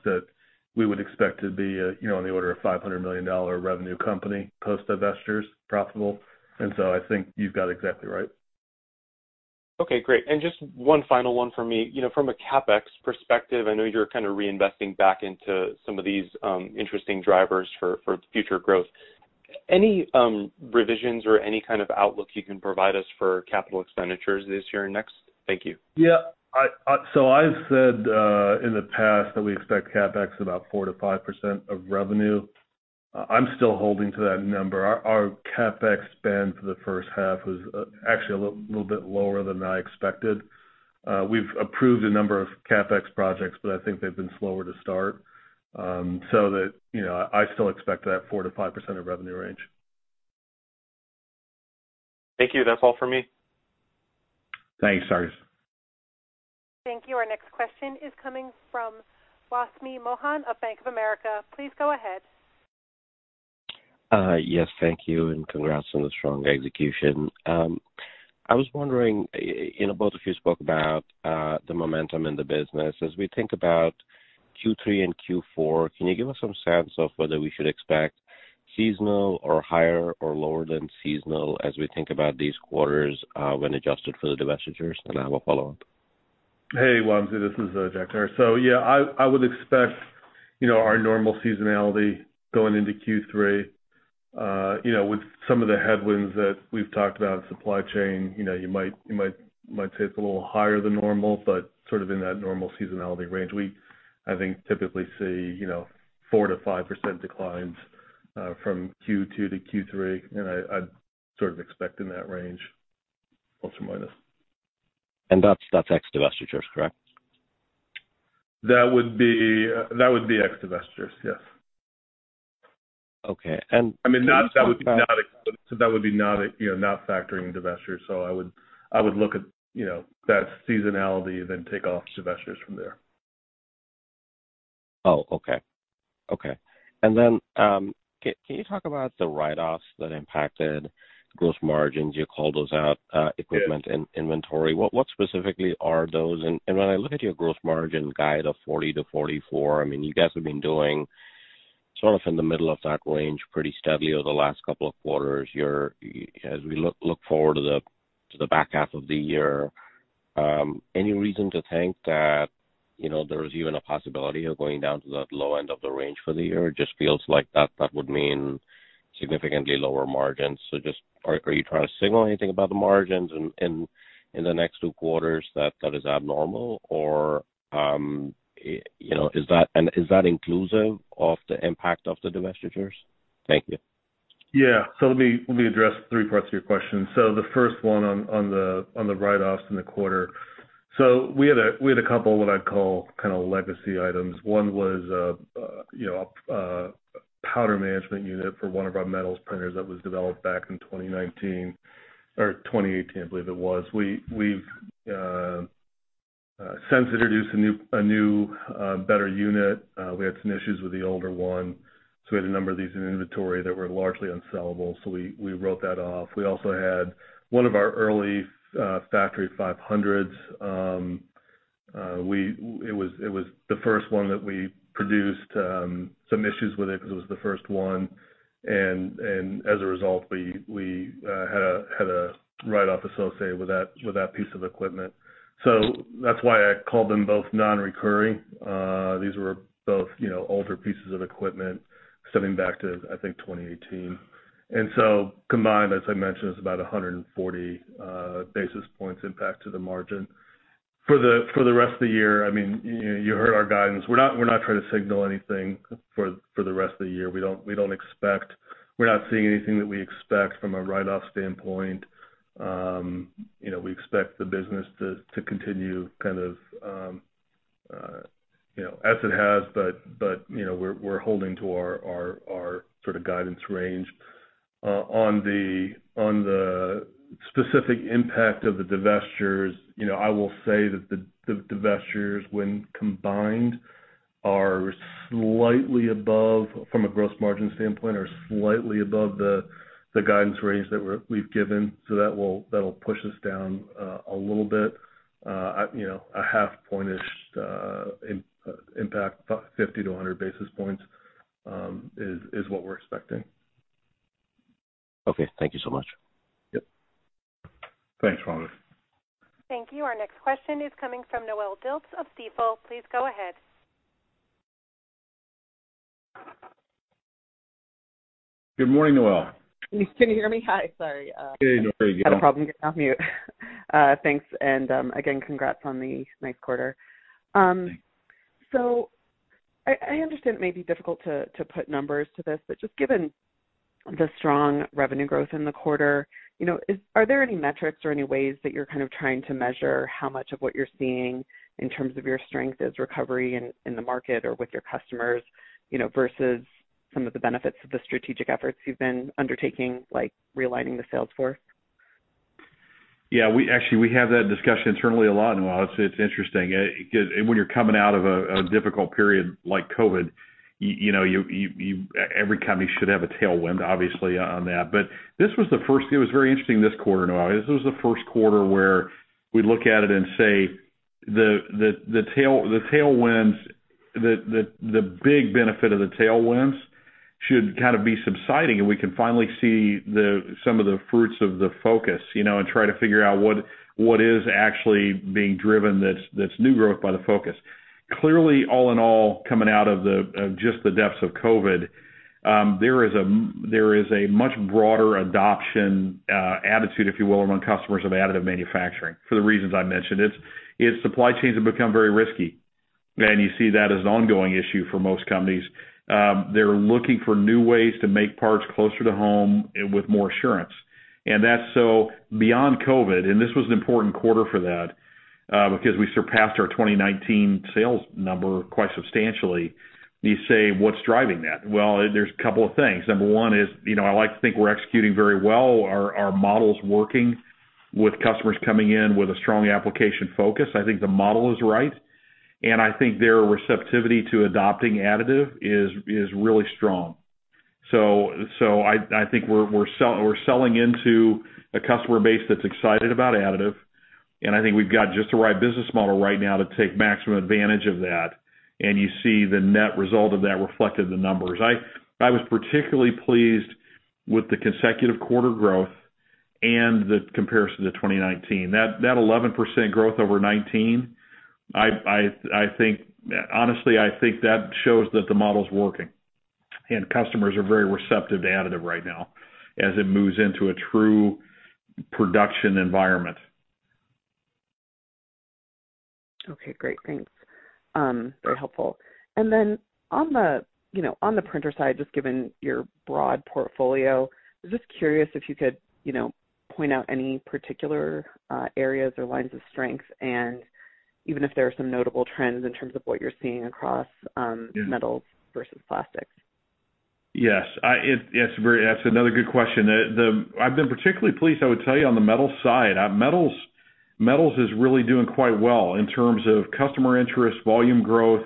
that we would expect to be on the order of $500 million revenue company, post divestitures profitable. I think you've got it exactly right. Okay, great. Just one final one for me. You know, from a CapEx perspective, I know you're kind of reinvesting back into some of these interesting drivers for future growth. Any revisions or any kind of outlook you can provide us for capital expenditures this year and next? Thank you. Yeah. I've said in the past that we expect CapEx about 4%-5% of revenue. I'm still holding to that number. Our CapEx spend for the first half was actually a little bit lower than I expected. We've approved a number of CapEx projects, but I think they've been slower to start. I still expect that 4%-5% of revenue range. Thank you. That's all for me. Thanks, Sarkis. Thank you. Our next question is coming from Wamsi Mohan of Bank of America. Please go ahead. Yes, thank you. Congrats on the strong execution. I was wondering, both of you spoke about the momentum in the business. As we think about Q3 and Q4, can you give us some sense of whether we should expect seasonal or higher or lower than seasonal as we think about these quarters when adjusted for the divestitures? I have a follow-up. Hey, Wamsi, this is Jagtar. Yeah, I would expect our normal seasonality going into Q3. You know, with some of the headwinds that we've talked about, supply chain, you know, you might take a little higher than normal, but sort of in that normal seasonality range. We, I think, typically see, you know, 4%-5% declines from Q2 to Q3, and I'm sort of expecting that range. Plus or minus. That's ex-divestitures, correct? That would be ex-divestitures, yes. Okay. I mean, that would be not factoring divestitures. I would look at, you know, that seasonality then take off divestitures from there. Oh, okay. Can you talk about the write-offs that impacted gross margins? You called those out, equipment and inventory. What specifically are those? When I look at your gross margin guide of 40%-44%, you guys have been doing sort of in the middle of that range pretty steadily over the last couple of quarters. As we look forward to the back half of the year, any reason to think that there's even a possibility of going down to that low end of the range for the year? It just feels like that would mean significantly lower margins. Are you trying to signal anything about the margins in the next two quarters that is abnormal, or, you know, is that inclusive of the impact of the divestitures? Thank you. Yeah. Let me address three parts of your question. The first one on the write-offs in the quarter. We had a couple of what I'd call kind of legacy items. One was a powder management unit for one of our metals printers that was developed back in 2019 or 2018, I believe it was. We've since introduced a new, better unit. We had some issues with the older one, so we had a number of these in inventory that were largely unsellable, so we wrote that off. We also had one of our early Factory 500s. It was the first one that we produced, some issues with it because it was the first one, and as a result, we had a write-off associated with that piece of equipment. That's why I called them both non-recurring. These were both, you know, older pieces of equipment stemming back to, I think, 2018. Combined, as I mentioned, it's about 140 basis points impact to the margin. For the rest of the year, I mean, you heard our guidance. We're not trying to signal anything for the rest of the year. We don't expect, we're not seeing anything that we expect from a write-off standpoint. You know, we expect the business to continue kind of, you know, as it has, but, you know, we're holding to our sort of guidance range. On the specific impact of the divestitures, you know, I will say that the divestitures, when combined are slightly above from a gross margin standpoint, are slightly above the guidance range that we've given. That'll push us down a little bit. You know, a half point-ish impact, 50 to 100 basis points, is what we're expecting. Okay. Thank you so much. Yep. Thanks. Thank you. Our next question is coming from Noelle Dilts of Stifel. Please go ahead. Good morning, Noelle. Can you hear me? Hi. Sorry. Hey, Noelle. Yeah. Had a problem getting off mute. Thanks, again, congrats on the nice quarter. Thanks. I understand it may be difficult to put numbers to this, but just given the strong revenue growth in the quarter, you know, are there any metrics or any ways that you're kind of trying to measure how much of what you're seeing in terms of your strength is recovery in the market or with your customers, you know, versus some of the benefits of the strategic efforts you've been undertaking, like realigning the sales force? Yeah, actually, we have that discussion internally a lot, Noelle. It's interesting. When you're coming out of a difficult period like COVID, every company should have a tailwind, obviously, on that. It was very interesting this quarter, Noelle. This was the first quarter where we look at it and say the big benefit of the tailwinds should kind of be subsiding, and we can finally see some of the fruits of the focus, and try to figure out what is actually being driven that's new growth by the focus. Clearly, all in all, coming out of just the depths of COVID, there is a much broader adoption attitude, if you will, among customers of additive manufacturing for the reasons I mentioned. Its supply chains have become very risky, and you see that as an ongoing issue for most companies. They're looking for new ways to make parts closer to home with more assurance. That's so beyond COVID, and this was an important quarter for that, because we surpassed our 2019 sales number quite substantially. You say, "What's driving that?" Well, there's a couple of things. Number one is, I like to think we're executing very well our models working with customers coming in with a strong application focus. I think the model is right, and I think their receptivity to adopting additive is really strong. I think we're selling into a customer base that's excited about additive, and I think we've got just the right business model right now to take maximum advantage of that, and you see the net result of that reflected in the numbers. I was particularly pleased with the consecutive quarter growth and the comparison to 2019. That 11% growth over 2019, honestly, I think that shows that the model's working, and customers are very receptive to additive right now as it moves into a true production environment. Okay, great. Thanks. Very helpful. On the printer side, just given your broad portfolio, I was just curious if you could point out any particular areas or lines of strength and even if there are some notable trends in terms of what you're seeing across metals versus plastics. Yes. That's another good question. I've been particularly pleased, I would tell you, on the metal side. Metals is really doing quite well in terms of customer interest, volume growth,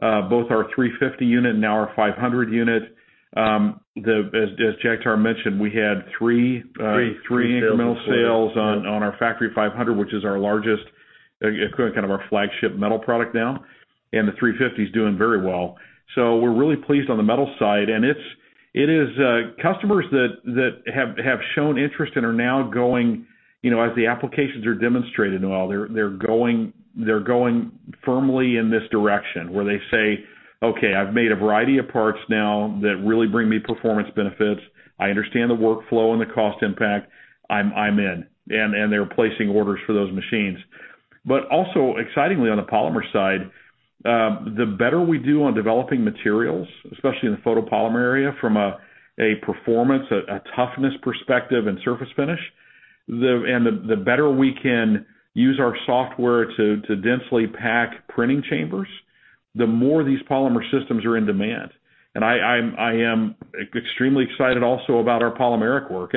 both our 350 unit and now our 500 unit. As Jagtar mentioned, we had three metal sales on our Factory 500, which is our largest, kind of our flagship metal product now, and the 350 is doing very well. We're really pleased on the metal side, and it is customers that have shown interest and are now going as the applications are demonstrated, Noelle, they're going firmly in this direction where they say, "Okay, I've made a variety of parts now that really bring me performance benefits. I understand the workflow and the cost impact. I'm in." They're placing orders for those machines. Also excitingly on the polymer side, the better we do on developing materials, especially in the photopolymer area from a performance, a toughness perspective and surface finish, and the better we can use our software to densely pack printing chambers, the more these polymer systems are in demand. I am extremely excited also about our polymeric work.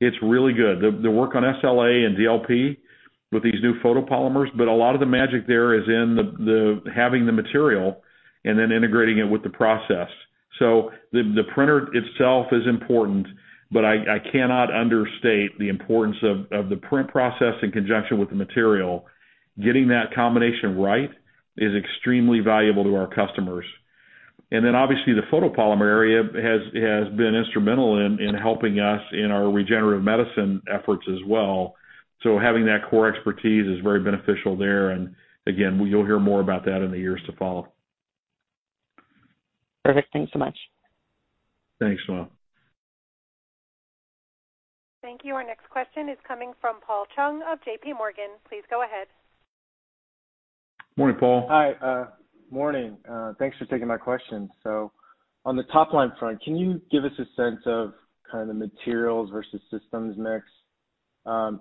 It's really good, the work on SLA and DLP with these new photopolymers. A lot of the magic there is in having the material and then integrating it with the process. The printer itself is important, but I cannot understate the importance of the print process in conjunction with the material. Getting that combination right is extremely valuable to our customers. Obviously the photopolymer area has been instrumental in helping us in our regenerative medicine efforts as well. Having that core expertise is very beneficial there. Again, you'll hear more about that in the years to follow. Perfect. Thanks so much. Thanks, Noelle. Thank you. Our next question is coming from Paul Chung of JPMorgan. Please go ahead. Morning, Paul. Hi, morning. Thanks for taking my question. On the top-line front, can you give us a sense of kind of materials versus systems mix?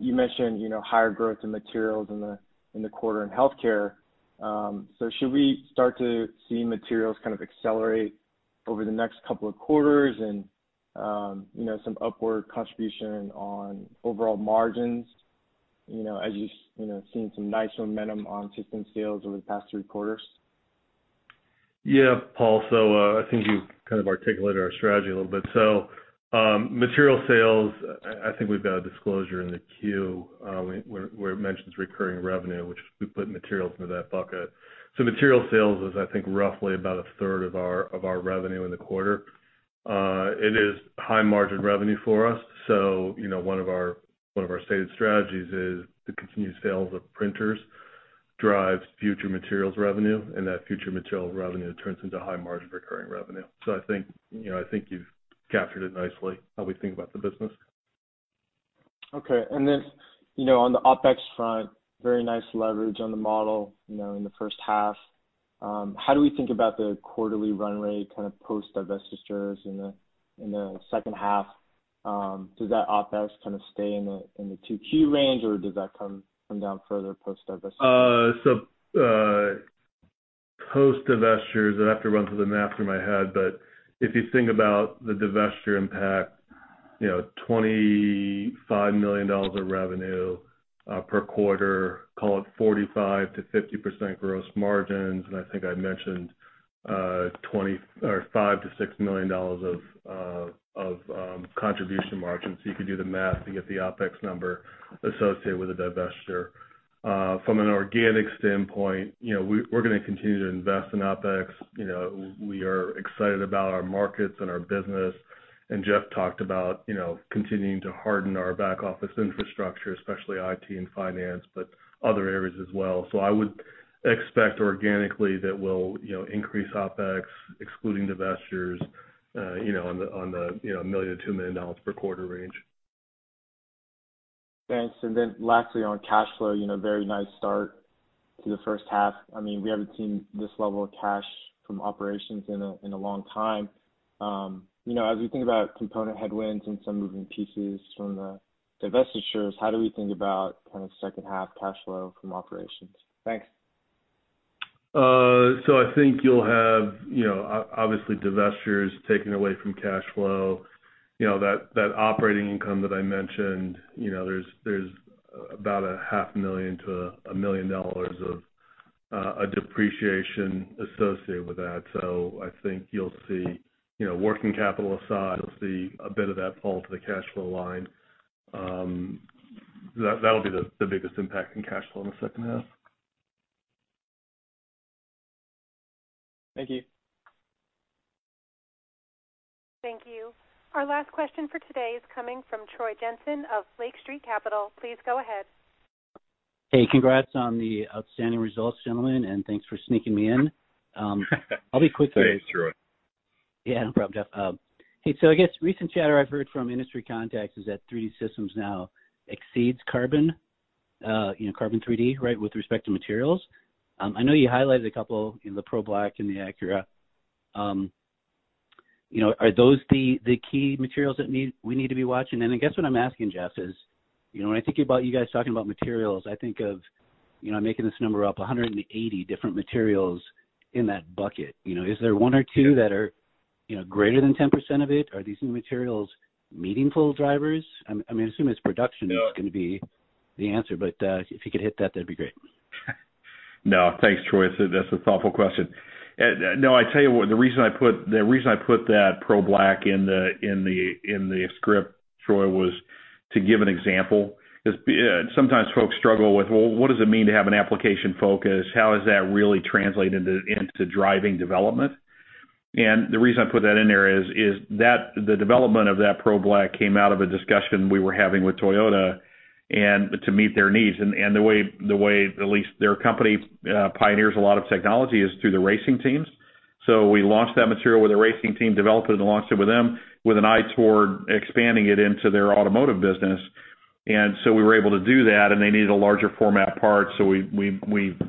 You mentioned higher growth in materials in the quarter in healthcare. Should we start to see materials kind of accelerate over the next couple of quarters and some upward contribution on overall margins as you've seen some nice momentum on system sales over the past three quarters? Paul, I think you kind of articulated our strategy a little bit. Material sales, I think we've got a disclosure in the Q where it mentions recurring revenue, which we put materials into that bucket. Material sales is, I think, roughly about a third of our revenue in the quarter. It is high margin revenue for us, one of our stated strategies is the continued sales of printers drives future materials revenue, and that future materials revenue turns into high margin recurring revenue. I think you've captured it nicely how we think about the business. Okay. On the OpEx front, very nice leverage on the model in the first half. How do we think about the quarterly runway kind of post divestitures in the second half? Does that OpEx kind of stay in the 2Q range, or does that come down further post divestiture? Post divestitures, I'd have to run through the math in my head, but if you think about the divestiture impact, $25 million of revenue per quarter, call it 45%-50% gross margins, and I think I mentioned $5 million-$6 million of contribution margins. You could do the math to get the OpEx number associated with a divestiture. From an organic standpoint, we're going to continue to invest in OpEx. We are excited about our markets and our business, and Jeff talked about continuing to harden our back office infrastructure, especially IT and finance, but other areas as well. I would expect organically that we'll increase OpEx excluding divestitures on the $1 million-$2 million per quarter range. Thanks. Lastly, on cash flow, very nice start to the first half. We haven't seen this level of cash from operations in a long time. As we think about component headwinds and some moving pieces from the divestitures, how do we think about kind of second half cash flow from operations? Thanks. I think you'll have, obviously, divestitures taken away from cash flow. That operating income that I mentioned, there's about a $500,000 to $1 million of depreciation associated with that. I think working capital aside, you'll see a bit of that fall to the cash flow line. That'll be the biggest impact in cash flow in the second half. Thank you. Thank you. Our last question for today is coming from Troy Jensen of Lake Street Capital. Please go ahead. Hey, congrats on the outstanding results, gentlemen, and thanks for sneaking me in. I'll be quick though. Thanks, Troy. No problem, Jeff. I guess recent chatter I've heard from industry contacts is that 3D Systems now exceeds Carbon, in a Carbon3D right, with respect to materials. I know you highlighted a couple, the PRO-BLK and the Accura. Are those the key materials that we need to be watching? I guess what I'm asking, Jeff, is when I think about you guys talking about materials, I think of, I'm making this number up, 180 different materials in that bucket. Is there one or two that are greater than 10% of it? Are these new materials meaningful drivers? I assume it's production- No Is going to be the answer. If you could hit that'd be great. No, thanks, Troy. That's a thoughtful question. No, I tell you what, the reason I put that PRO-BLK in the script, Troy, was to give an example. Sometimes folks struggle with, well, what does it mean to have an application focus? How does that really translate into driving development? The reason I put that in there is the development of that PRO-BLK came out of a discussion we were having with Toyota to meet their needs. The way, at least their company pioneers a lot of technology, is through the racing teams. We launched that material with a racing team, developed it and launched it with them with an eye toward expanding it into their automotive business. We were able to do that, and they needed a larger format part, so we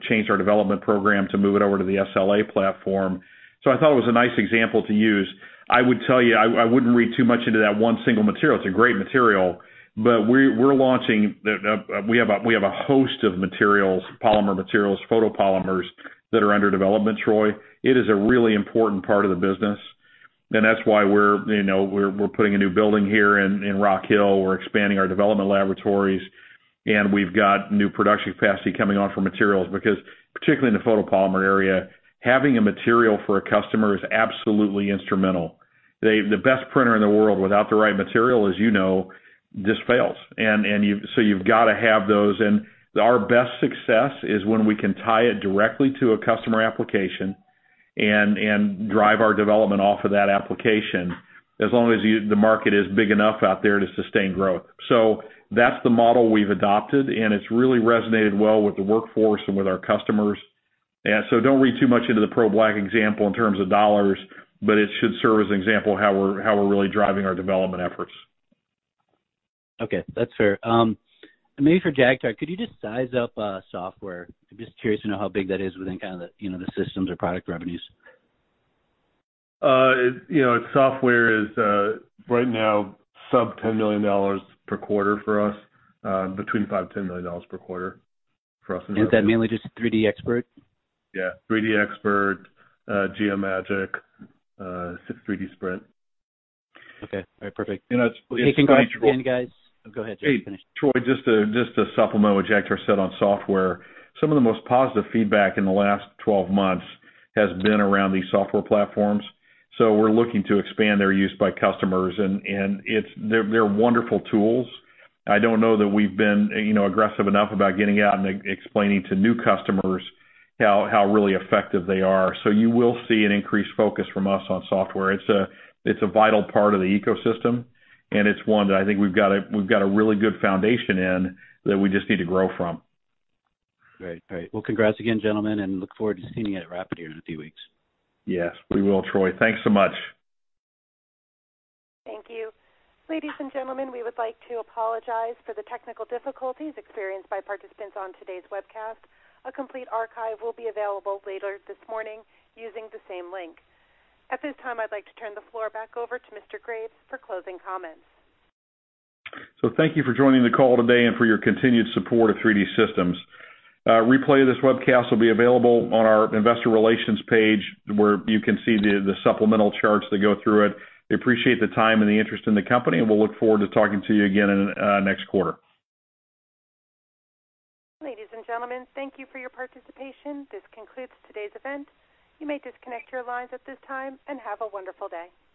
changed our development program to move it over to the SLA platform. I thought it was a nice example to use. I would tell you, I wouldn't read too much into that one single material. It's a great material. That we were launching, we have a host of materials, polymer materials, photopolymers, that are under development, Troy. It is a really important part of the business, and that's why we're putting a new building here in Rock Hill. We're expanding our development laboratories, and we've got new production capacity coming on for materials because, particularly in the photopolymer area, having a material for a customer is absolutely instrumental. The best printer in the world without the right material, as you know, just fails. You've got to have those. Our best success is when we can tie it directly to a customer application and drive our development off of that application, as long as the market is big enough out there to sustain growth. That's the model we've adopted, and it's really resonated well with the workforce and with our customers. Don't read too much into the PRO-BLK example in terms of dollars, but it should serve as an example how we're really driving our development efforts. Okay, that's fair. Maybe for Jagtar, could you just size up software? I'm just curious to know how big that is within kind of the systems or product revenues. Software is right now sub $10 million per quarter for us, between $5 million-$10 million per quarter for us in software. Is that mainly just 3DXpert? Yeah. 3DXpert, Geomagic, 3D Sprint. Okay. All right, perfect. It's integral- Hey, can I jump in, guys? Oh, go ahead, Jeff, finish. Hey, Troy, just to supplement what Jagtar said on software, some of the most positive feedback in the last 12 months has been around these software platforms. We're looking to expand their use by customers, and they're wonderful tools. I don't know that we've been aggressive enough about getting out and explaining to new customers how really effective they are. You will see an increased focus from us on software. It's a vital part of the ecosystem, and it's one that I think we've got a really good foundation in that we just need to grow from. Great. Well, congrats again, gentlemen, look forward to seeing you at RAPID here in a few weeks. Yes, we will, Troy. Thanks so much. Thank you. Ladies and gentlemen, we would like to apologize for the technical difficulties experienced by participants on today's webcast. A complete archive will be available later this morning using the same link. At this time, I'd like to turn the floor back over to Mr. Graves for closing comments. Thank you for joining the call today and for your continued support of 3D Systems. A replay of this webcast will be available on our investor relations page, where you can see the supplemental charts that go through it. We appreciate the time and the interest in the company, and we'll look forward to talking to you again next quarter. Ladies and gentlemen, thank you for your participation. This concludes today's event. You may disconnect your lines at this time, and have a wonderful day.